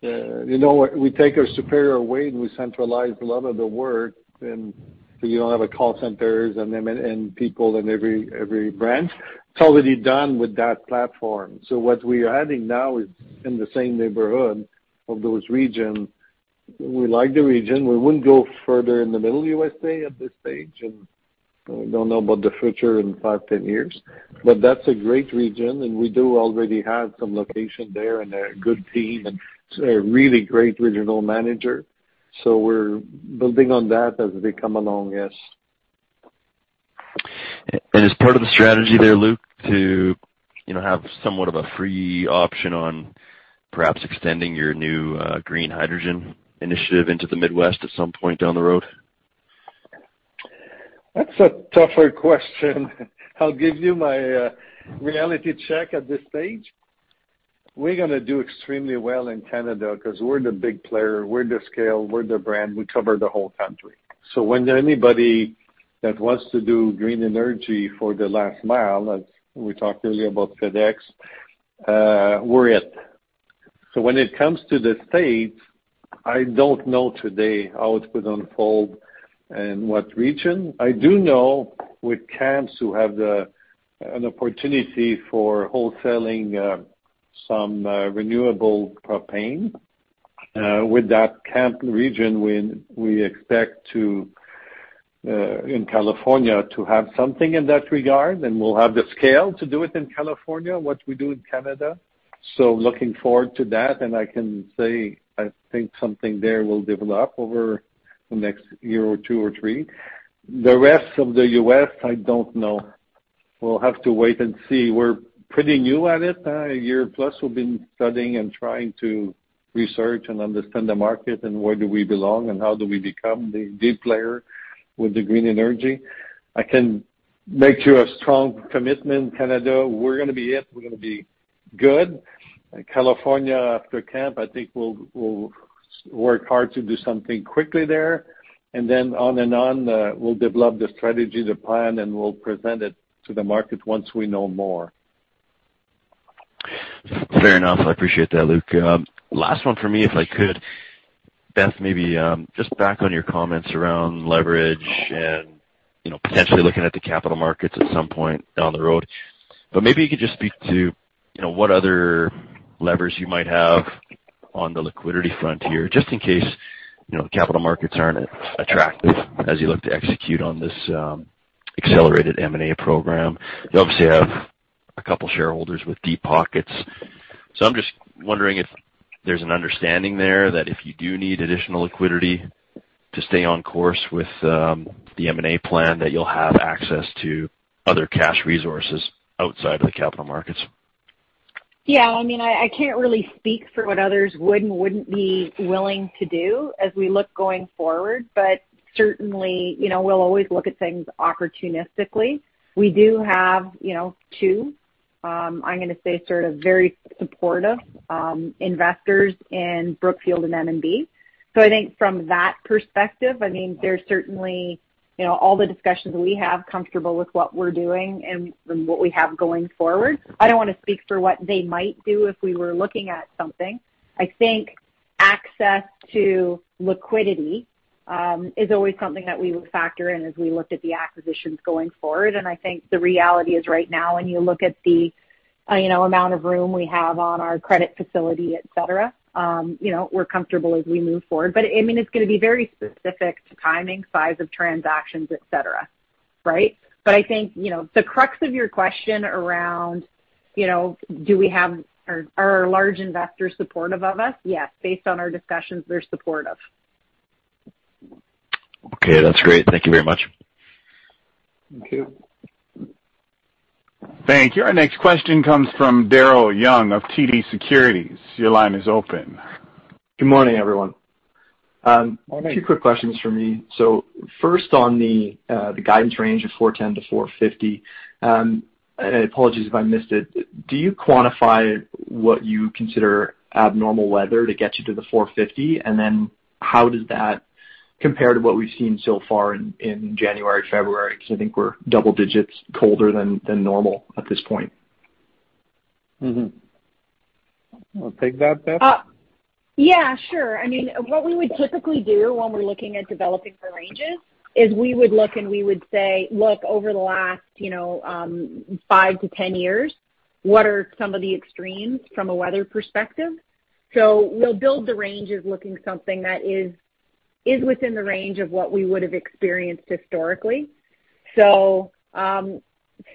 you know, we take our Superior Way, we centralize a lot of the work and so you don't have call centers and people in every branch. It's already done with that platform. What we are adding now is in the same neighborhood of those region. We like the region. We wouldn't go further in the middle U.S. at this stage, and we don't know about the future in 5-10 years. That's a great region, and we do already have some location there and a good team and a really great regional manager. We're building on that as they come along. Yes. is part of the strategy there, Luc, to, you know, have somewhat of a free option on perhaps extending your new green hydrogen initiative into the Midwest at some point down the road? That's a tougher question. I'll give you my reality check at this stage. We're gonna do extremely well in Canada 'cause we're the big player, we're the scale, we're the brand, we cover the whole country. When anybody that wants to do green energy for the last mile, as we talked earlier about FedEx, we're it. When it comes to the States, I don't know today how it would unfold and what region. I do know with Kamps who have an opportunity for wholesaling some renewable propane with that Kamps region when we expect to in California to have something in that regard, and we'll have the scale to do it in California, what we do in Canada. Looking forward to that, and I can say I think something there will develop over the next year or 2-3. The rest of the U.S., I don't know. We'll have to wait and see. We're pretty new at it. A year plus we've been studying and trying to research and understand the market and where do we belong and how do we become the key player with the green energy. I can make you a strong commitment, Canada, we're gonna be it. We're gonna be good. California, after Kamps, I think we'll work hard to do something quickly there. Then on and on, we'll develop the strategy, the plan, and we'll present it to the market once we know more. Fair enough. I appreciate that, Luc. Last one for me, if I could. Beth, maybe, just back on your comments around leverage and, you know, potentially looking at the capital markets at some point down the road. Maybe you could just speak to, you know, what other levers you might have on the liquidity front here, just in case, you know, capital markets aren't attractive as you look to execute on this, accelerated M&A program. You obviously have a couple shareholders with deep pockets. I'm just wondering if there's an understanding there that if you do need additional liquidity to stay on course with, the M&A plan, that you'll have access to other cash resources outside of the capital markets. Yeah. I mean, I can't really speak for what others would and wouldn't be willing to do as we look going forward, but certainly, you know, we'll always look at things opportunistically. We do have, you know, two, I'm gonna say sort of very supportive investors in Brookfield and M&G. I think from that perspective, I mean, there's certainly, you know, all the discussions we have comfortable with what we're doing and what we have going forward. I don't wanna speak for what they might do if we were looking at something. I think access to liquidity is always something that we would factor in as we looked at the acquisitions going forward. I think the reality is right now, when you look at the, you know, amount of room we have on our credit facility, et cetera, you know, we're comfortable as we move forward. I mean, it's gonna be very specific to timing, size of transactions, et cetera. Right? I think, you know, the crux of your question around, you know, are large investors supportive of us? Yes. Based on our discussions, they're supportive. Okay, that's great. Thank you very much. Thank you. Thank you. Our next question comes from Daryl Young of TD Securities. Your line is open. Good morning, everyone. Morning. Two quick questions from me. First on the guidance range of 410-450, apologies if I missed it. Do you quantify what you consider abnormal weather to get you to the 450? And then how does that compare to what we've seen so far in January, February? Because I think we're double digits colder than normal at this point. Mm-hmm. You wanna take that, Beth? Yeah, sure. I mean, what we would typically do when we're looking at developing the ranges is we would look, and we would say, look, over the last, you know, 5-10 years, what are some of the extremes from a weather perspective? So we'll build the ranges looking something that is within the range of what we would have experienced historically. So,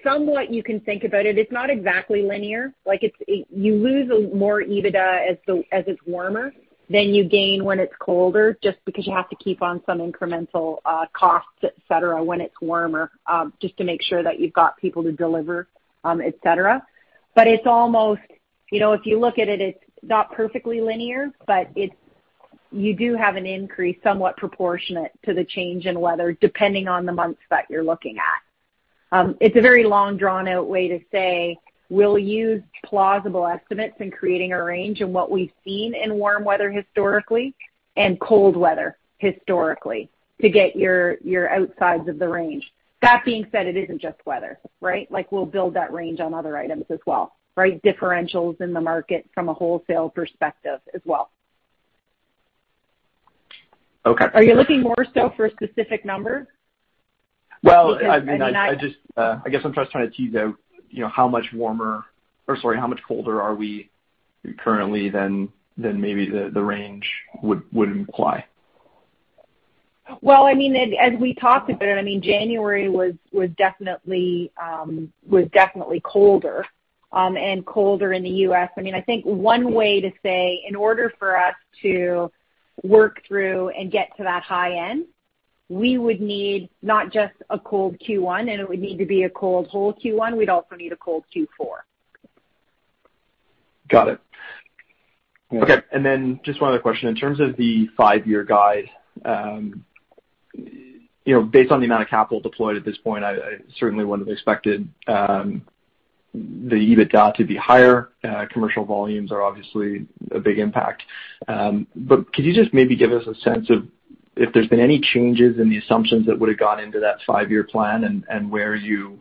somewhat you can think about it. It's not exactly linear. Like it's. You lose more EBITDA as it's warmer than you gain when it's colder, just because you have to keep on some incremental costs, et cetera, when it's warmer, just to make sure that you've got people to deliver, et cetera. But it's almost. You know, if you look at it's not perfectly linear, but it's. You do have an increase somewhat proportionate to the change in weather, depending on the months that you're looking at. It's a very long, drawn-out way to say we'll use plausible estimates in creating a range in what we've seen in warm weather historically and cold weather historically to get your outsides of the range. That being said, it isn't just weather, right? Like, we'll build that range on other items as well, right? Differentials in the market from a wholesale perspective as well. Okay. Are you looking more so for a specific number? Well, I mean, I guess I'm just trying to tease out, you know, how much warmer or, sorry, how much colder are we currently than maybe the range would imply? Well, I mean, as we talked about it, I mean, January was definitely colder and colder in the U.S. I mean, I think one way to say in order for us to work through and get to that high end, we would need not just a cold Q1, and it would need to be a cold whole Q1, we'd also need a cold Q4. Got it. Okay. Then just one other question. In terms of the five-year guide, you know, based on the amount of capital deployed at this point, I certainly wouldn't have expected the EBITDA to be higher. Commercial volumes are obviously a big impact. But could you just maybe give us a sense of if there's been any changes in the assumptions that would have gone into that five-year plan and where you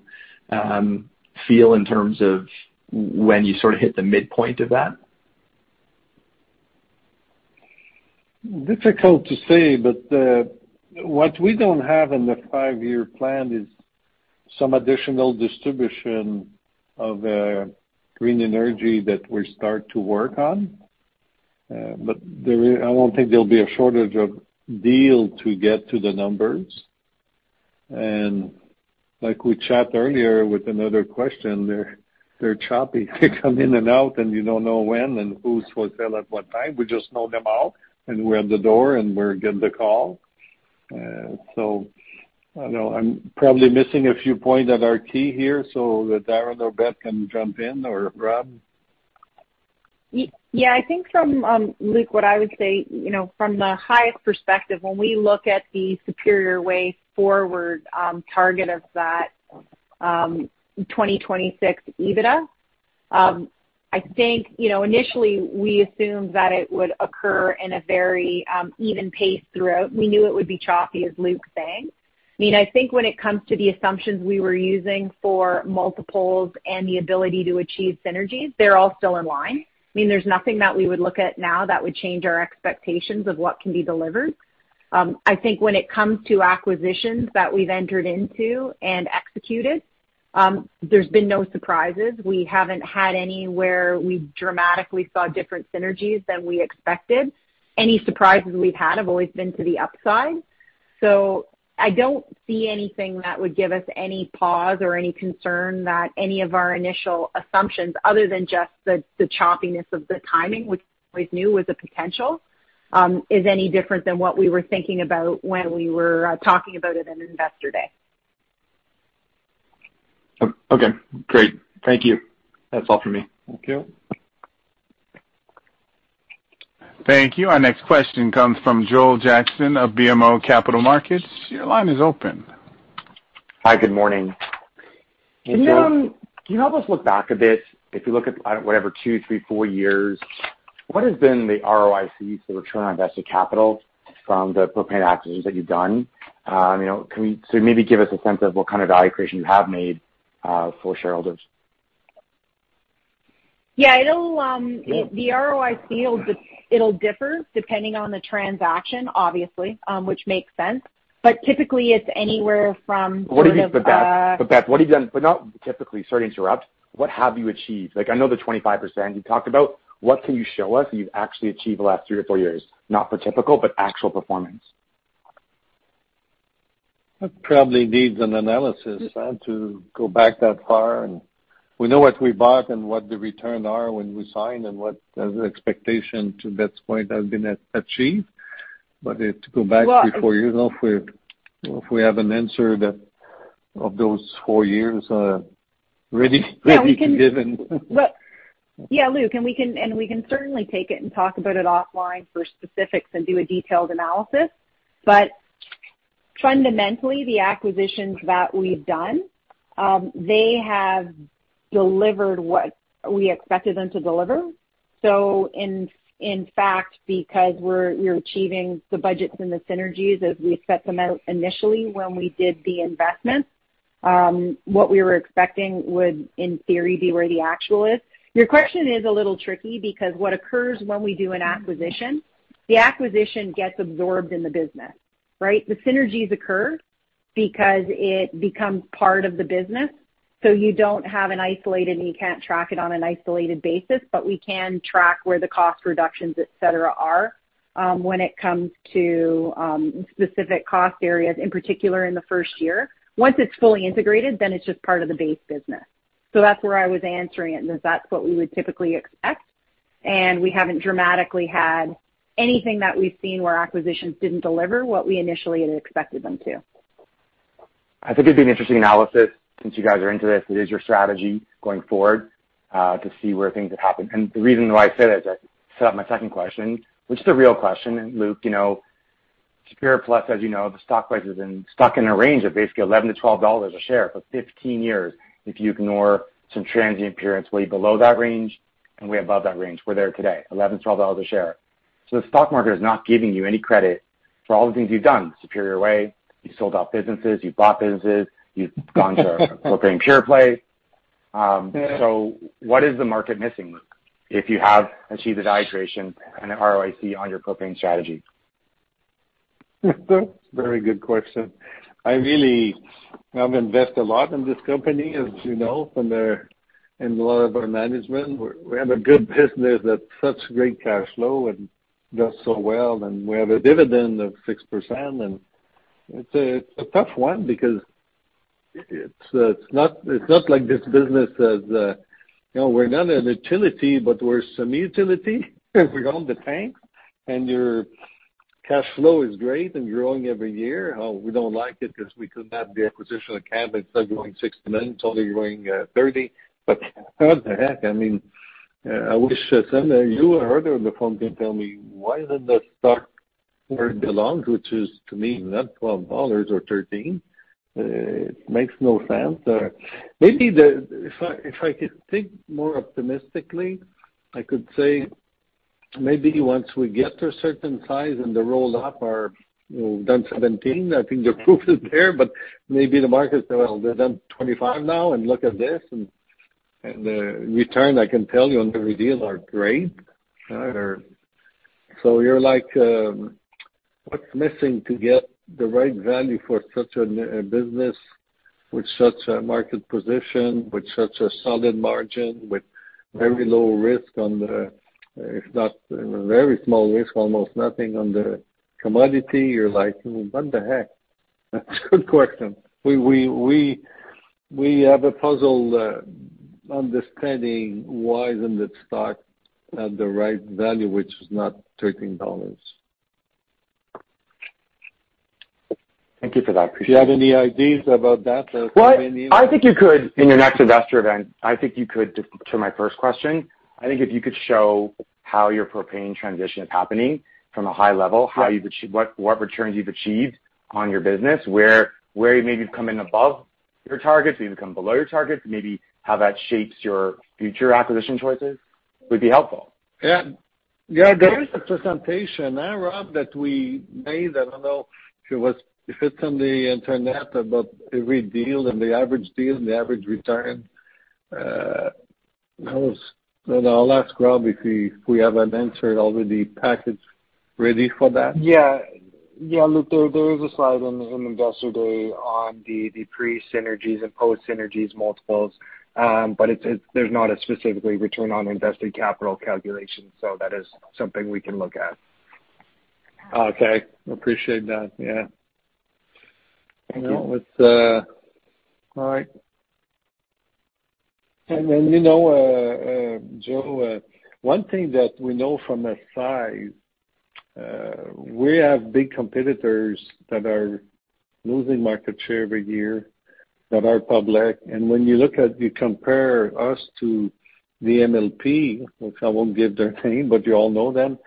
feel in terms of when you sort of hit the midpoint of that? Difficult to say, but what we don't have in the five-year plan is some additional distribution of green energy that we start to work on. I don't think there'll be a shortage of deals to get to the numbers. Like we chat earlier with another question, they're choppy. They come in and out, and you don't know when and who's for sale at what time. We just know when they're out, and we're at the door and we're getting the call. I know I'm probably missing a few points or two here so that Darren or Beth can jump in or Rob. Yeah. I think from, Luc, what I would say, you know, from the highest perspective, when we look at the Superior Way Forward, target of that 2026 EBITDA, I think, you know, initially we assumed that it would occur in a very even pace throughout. We knew it would be choppy, as Luc saying. I mean, I think when it comes to the assumptions we were using for multiples and the ability to achieve synergies, they're all still in line. I mean, there's nothing that we would look at now that would change our expectations of what can be delivered. I think when it comes to acquisitions that we've entered into and executed, there's been no surprises. We haven't had any where we dramatically saw different synergies than we expected. Any surprises we've had have always been to the upside. I don't see anything that would give us any pause or any concern that any of our initial assumptions other than just the choppiness of the timing, which we knew was a potential, is any different than what we were thinking about when we were talking about it in Investor Day. Okay, great. Thank you. That's all for me. Thank you. Thank you. Our next question comes from Joel Jackson of BMO Capital Markets. Your line is open. Hi. Good morning. Hey, Joel. Can you help us look back a bit? If you look at, I don't know, whatever, two, three, four years, what has been the ROIC, the return on invested capital from the propane acquisitions that you've done? You know, maybe give us a sense of what kind of value creation you have made for shareholders. Yeah. The ROIC, it'll differ depending on the transaction obviously, which makes sense. Typically it's anywhere from sort of Beth, what have you done? Not typically, sorry to interrupt. What have you achieved? Like I know the 25% you talked about. What can you show us you've actually achieved the last 3-4 years? Not the typical, but actual performance. That probably needs an analysis to go back that far. We know what we bought and what the returns are when we sign and what the expectations to that point have been achieved. To go back 3-4 years, I don't know if we have an answer for those four years ready to be given. Yeah, we can. Well, yeah, Luc, we can certainly take it and talk about it offline for specifics and do a detailed analysis. Fundamentally, the acquisitions that we've done, they have delivered what we expected them to deliver. In fact, because we're achieving the budgets and the synergies as we set them out initially when we did the investments, what we were expecting would in theory be where the actual is. Your question is a little tricky because what occurs when we do an acquisition, the acquisition gets absorbed in the business, right? The synergies occur because it becomes part of the business, so you don't have an isolated and you can't track it on an isolated basis. We can track where the cost reductions, et cetera, are, when it comes to, specific cost areas, in particular in the first year. Once it's fully integrated, then it's just part of the base business. That's where I was answering it, is that's what we would typically expect, and we haven't dramatically had anything that we've seen where acquisitions didn't deliver what we initially had expected them to. I think it'd be an interesting analysis since you guys are into this. It is your strategy going forward to see where things have happened. The reason why I said is I set up my second question, which is the real question, Luc. You know, Superior Plus, as you know, the stock price has been stuck in a range of basically 11-12 dollars a share for 15 years if you ignore some transient periods way below that range and way above that range. We're there today, 11-12 dollars a share. The stock market is not giving you any credit for all the things you've done, Superior Way. You've sold off businesses, you've bought businesses. You've gone to a propane pure play. What is the market missing, Luc, if you have achieved a value creation and ROIC on your propane strategy? Very good question. I really have invested a lot in this company, as you know, from their. A lot of our management. We have a good business that's such great cash flow and does so well, and we have a dividend of 6%. It's a tough one because it's not like this business is, you know, we're not a utility, but we're some utility. We own the tanks, and our cash flow is great and growing every year. We don't like it 'cause we could have the acquisition of Kamps instead of growing 16%, it's only growing 30%. What the heck? I mean, I wish some of you who are here on the phone can tell me why doesn't the stock where it belongs, which is to me not 12 dollars or 13. It makes no sense. Maybe if I could think more optimistically, I could say maybe once we get to a certain size and the roll-ups are, you know, done 17, I think the proof is there, but maybe the market says, "Well, they're done 25 now and look at this." The return I can tell you on every deal are great. You're like, what's missing to get the right value for such a business with such a market position, with such a solid margin, with very low risk, if not very small risk, almost nothing on the commodity. You're like, "What the heck?" Good question. We have a puzzle understanding why isn't the stock at the right value, which is not 13 dollars. Thank you for that. Appreciate it. Do you have any ideas about that? Well, I think in your next investor event, to my first question, I think if you could show how your propane transition is happening from a high level, how you've achieved what returns you've achieved on your business. Where you maybe have come in above your targets, maybe come below your targets, maybe how that shapes your future acquisition choices would be helpful. Yeah. Yeah, there is a presentation, Rob, that we made. I don't know if it's on the internet about every deal and the average deal and the average return. I'll ask Rob if we have an answer already packaged ready for that. Yeah, look, there is a slide on the Investor Day on the pre-synergies and post-synergies multiples. It's not a specific return on invested capital calculation, so that is something we can look at. Okay. Appreciate that. Yeah. Thank you. With, uh... All right. You know, Joel, one thing that we know from the size, we have big competitors that are losing market share every year that are public. When you look at, you compare us to the MLP, which I won't give their name, but you all know them,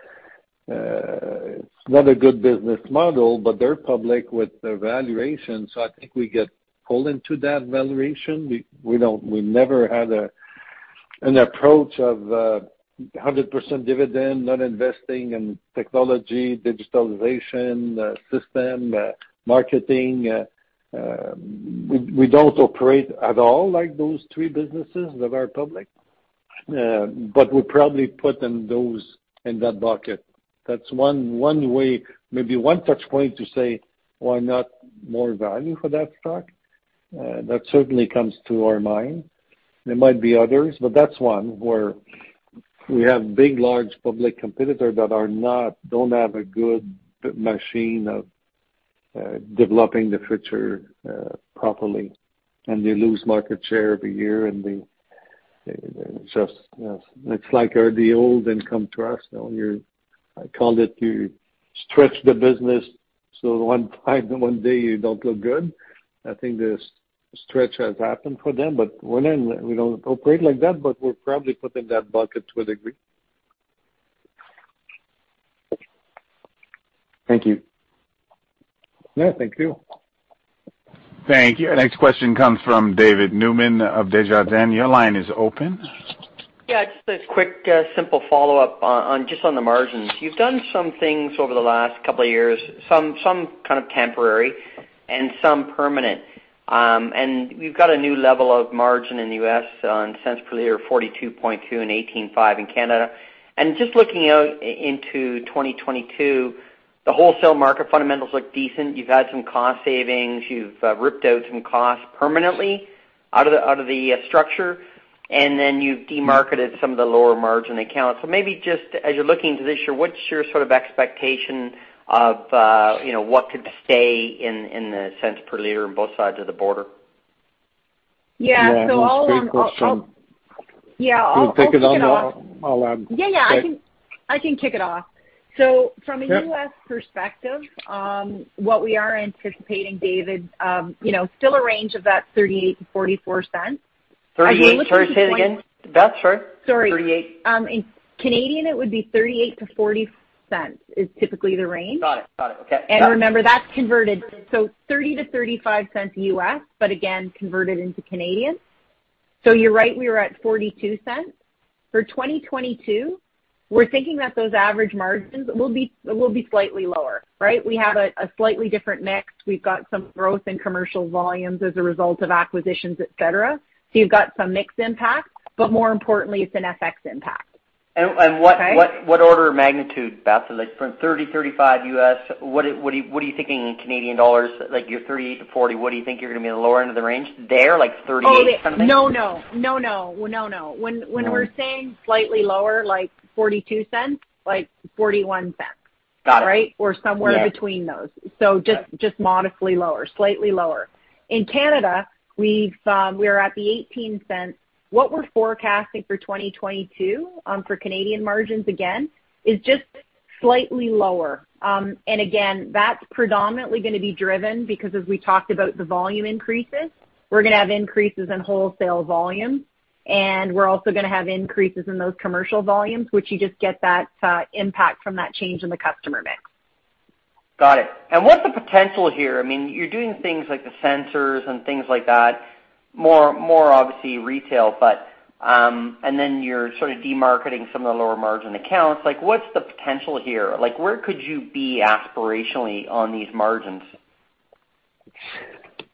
it's not a good business model, but they're public with the valuation. I think we get pulled into that valuation. We don't. We never had an approach of 100% dividend, not investing in technology, digitalization, system, marketing. We don't operate at all like those three businesses that are public. But we probably put those in that bucket. That's one way, maybe one touch point to say why not more value for that stock. That certainly comes to our mind. There might be others, but that's one where we have big, large public competitors that don't have a good machine of developing the future properly, and they lose market share every year. It's like the old income trust. I call it, you stretch the business one time too many, one day you don't look good. I think the stretch has happened for them, but we're not in that. We don't operate like that, but we're probably put in that bucket to a degree. Thank you. Yeah. Thank you. Thank you. Our next question comes from David Newman of Desjardins. Your line is open. Yeah, just a quick, simple follow-up on, just on the margins. You've done some things over the last couple of years, some kind of temporary and some permanent. You've got a new level of margin in the U.S. on $0.422 per liter and 0.185 per liter in Canada. Just looking out into 2022, the wholesale market fundamentals look decent. You've had some cost savings. You've ripped out some costs permanently out of the structure, and then you've de-marketed some of the lower margin accounts. Maybe just as you're looking into this year, what's your sort of expectation of, you know, what could stay in the cents per liter on both sides of the border? Yeah. Great question. Yeah. I'll You take it on. I'll Yeah, yeah. I can kick it off. Yeah. From a U.S. perspective, what we are anticipating, David, you know, still a range of that $0.38-$0.44. 38. Sorry, say it again. That's sure. Sorry. 38. In Canadian, it would be 0.38-0.40 is typically the range. Got it. Okay. Got it. Remember, that's converted. $0.30-$0.35 US, but again, converted into Canadian. You're right, we were at 0.42. For 2022, we're thinking that those average margins will be slightly lower, right? We have a slightly different mix. We've got some growth in commercial volumes as a result of acquisitions, et cetera. You've got some mix impact, but more importantly, it's an FX impact. And, and what- Okay? what order of magnitude, Beth? So like from $30-$35, what are you thinking in Canadian dollars? Like, you're 38-40, what do you think you're gonna be on the lower end of the range there, like 38 kind of thing? Oh, no. When we're saying slightly lower, like 0.42, like 0.41. Got it. Right? Yeah. Somewhere between those. Just modestly lower, slightly lower. In Canada, we are at 0.18. What we're forecasting for 2022, for Canadian margins, again, is just slightly lower. And again, that's predominantly gonna be driven because as we talked about the volume increases, we're gonna have increases in wholesale volume, and we're also gonna have increases in those commercial volumes, which you just get that impact from that change in the customer mix. Got it. What's the potential here? I mean, you're doing things like the sensors and things like that, more obviously retail, but, and then you're sort of de-marketing some of the lower margin accounts. Like, what's the potential here? Like, where could you be aspirationally on these margins?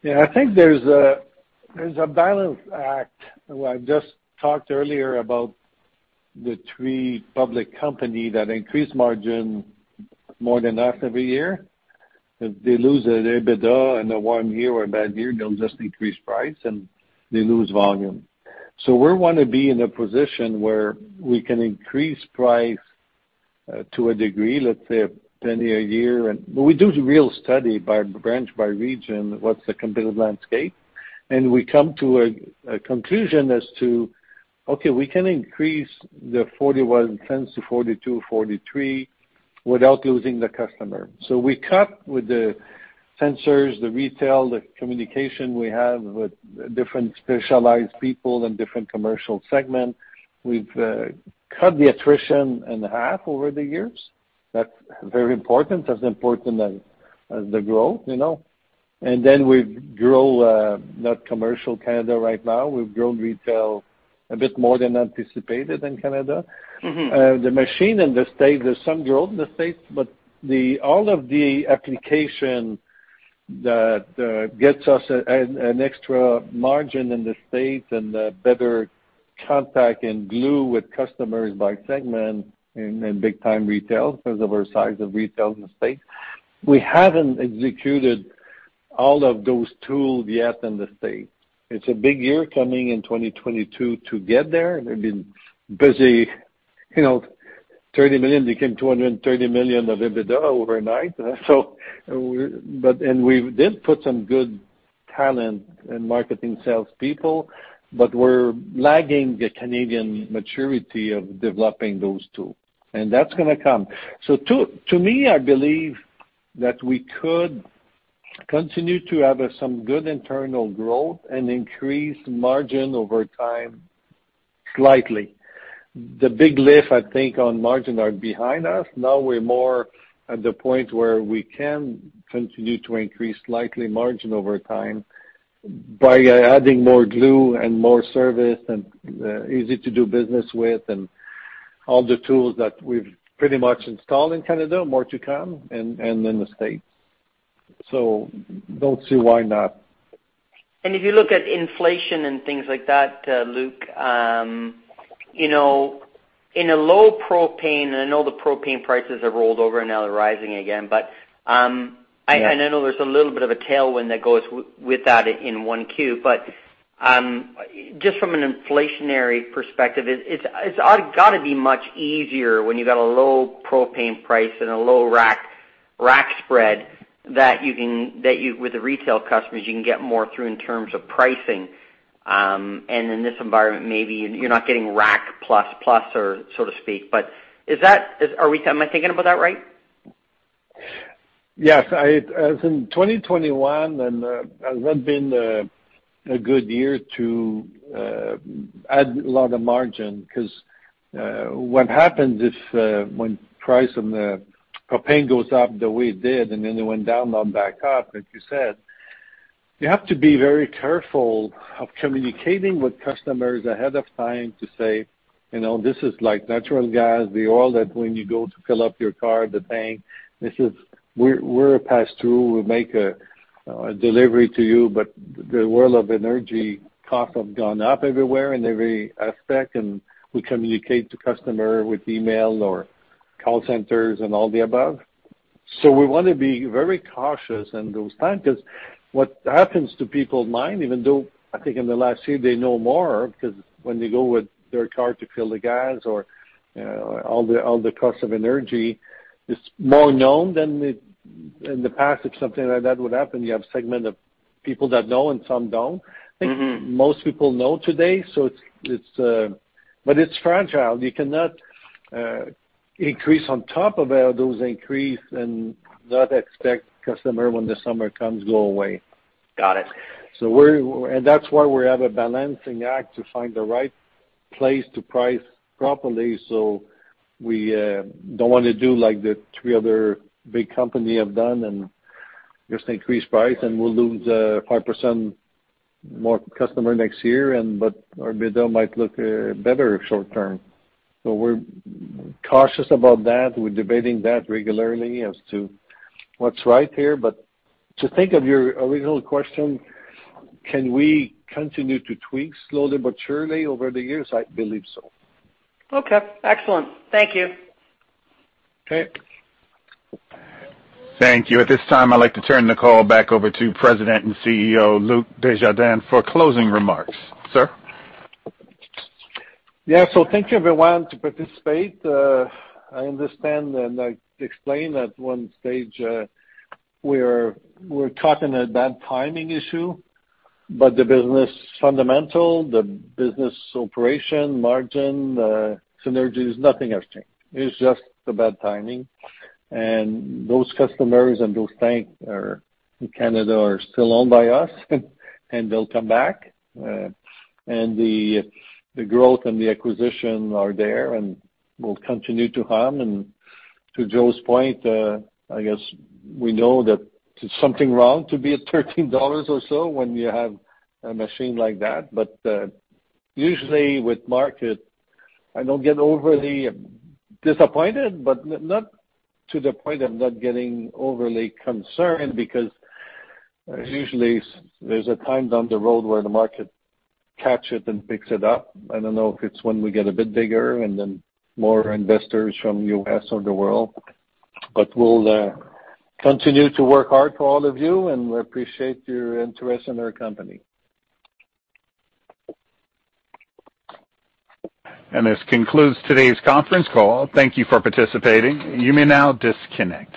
Yeah, I think there's a balance act where I just talked earlier about the three public company that increase margin more than us every year. If they lose their EBITDA in one year or a bad year, they'll just increase price, and they lose volume. We wanna be in a position where we can increase price to a degree, let's say $0.01 a year. We do the real study by branch, by region, what's the competitive landscape, and we come to a conclusion as to, okay, we can increase the $0.41-$0.42-$0.43 without losing the customer. We use the sensors, the retail, the communication we have with different specialized people and different commercial segment. We've cut the attrition in half over the years. That's very important, as important as the growth, you know. We've grown, not Commercial Canada right now. We've grown Retail a bit more than anticipated in Canada. Mm-hmm. The machine in the States, there's some growth in the States, but all of the application that gets us an extra margin in the States and a better contact and glue with customers by segment in big time retail because of our size of retail in the States. We haven't executed all of those tools yet in the States. It's a big year coming in 2022 to get there. We've been busy, you know, 30 million became 230 million of EBITDA overnight. We did put some good talent in marketing sales people, but we're lagging the Canadian maturity of developing those two, and that's gonna come. To me, I believe that we could continue to have some good internal growth and increase margin over time slightly. The big lift, I think, on margin are behind us. Now we're more at the point where we can continue to increase slightly margin over time by adding more glue and more service and easy to do business with and all the tools that we've pretty much installed in Canada, more to come, and in the States. Don't see why not. If you look at inflation and things like that, Luc, you know, in a low propane, I know the propane prices have rolled over and now they're rising again. But, Yeah. I know there's a little bit of a tailwind that goes with that in 1Q. Just from an inflationary perspective, it's oughta gotta be much easier when you got a low propane price and a low rack spread that you can with the retail customers you can get more through in terms of pricing. In this environment, maybe you're not getting rack plus plus or so to speak. Is that? Am I thinking about that right? Yes. 2021 has not been a good year to add a lot of margin 'cause what happens is when the price of propane goes up the way it did, and then it went down, now back up, as you said, you have to be very careful of communicating with customers ahead of time to say, you know, this is like natural gas, the oil that when you go to fill up your car, the tank, this is, we're a pass-through. We make a delivery to you, but the world of energy costs have gone up everywhere in every aspect, and we communicate to customer with email or call centers and all the above. We wanna be very cautious in those times 'cause what happens to people's mind, even though I think in the last year they know more, 'cause when they go with their car to fill the gas or, all the cost of energy is more known than it. In the past, if something like that would happen, you have segment of people that know and some don't. Mm-hmm. I think most people know today, so it's fragile. You cannot increase on top of all those increase and not expect customer when the summer comes, go away. Got it. That's why we have a balancing act to find the right place to price properly. We don't wanna do like the three other big company have done and just increase price, and we'll lose 5% more customer next year and but our EBITDA might look better short term. We're cautious about that. We're debating that regularly as to what's right here. To think of your original question, can we continue to tweak slowly but surely over the years? I believe so. Okay. Excellent. Thank you. Okay. Thank you. At this time, I'd like to turn the call back over to President and CEO, Luc Desjardins, for closing remarks. Sir? Yeah. Thank you everyone to participate. I understand, and I explained at one stage, we're caught in a bad timing issue. The business fundamental, the business operation, margin, synergy is nothing has changed. It's just a bad timing. Those customers and those tanks in Canada are still owned by us, and they'll come back. The growth and the acquisition are there and will continue to hum. To Joel's point, I guess we know that there's something wrong to be at 13 dollars or so when you have a machine like that. Usually with market, I don't get overly disappointed, but not to the point I'm not getting overly concerned because usually there's a time down the road where the market catch it and picks it up. I don't know if it's when we get a bit bigger and then more investors from U.S. or the world. We'll continue to work hard for all of you, and we appreciate your interest in our company. This concludes today's conference call. Thank you for participating. You may now disconnect.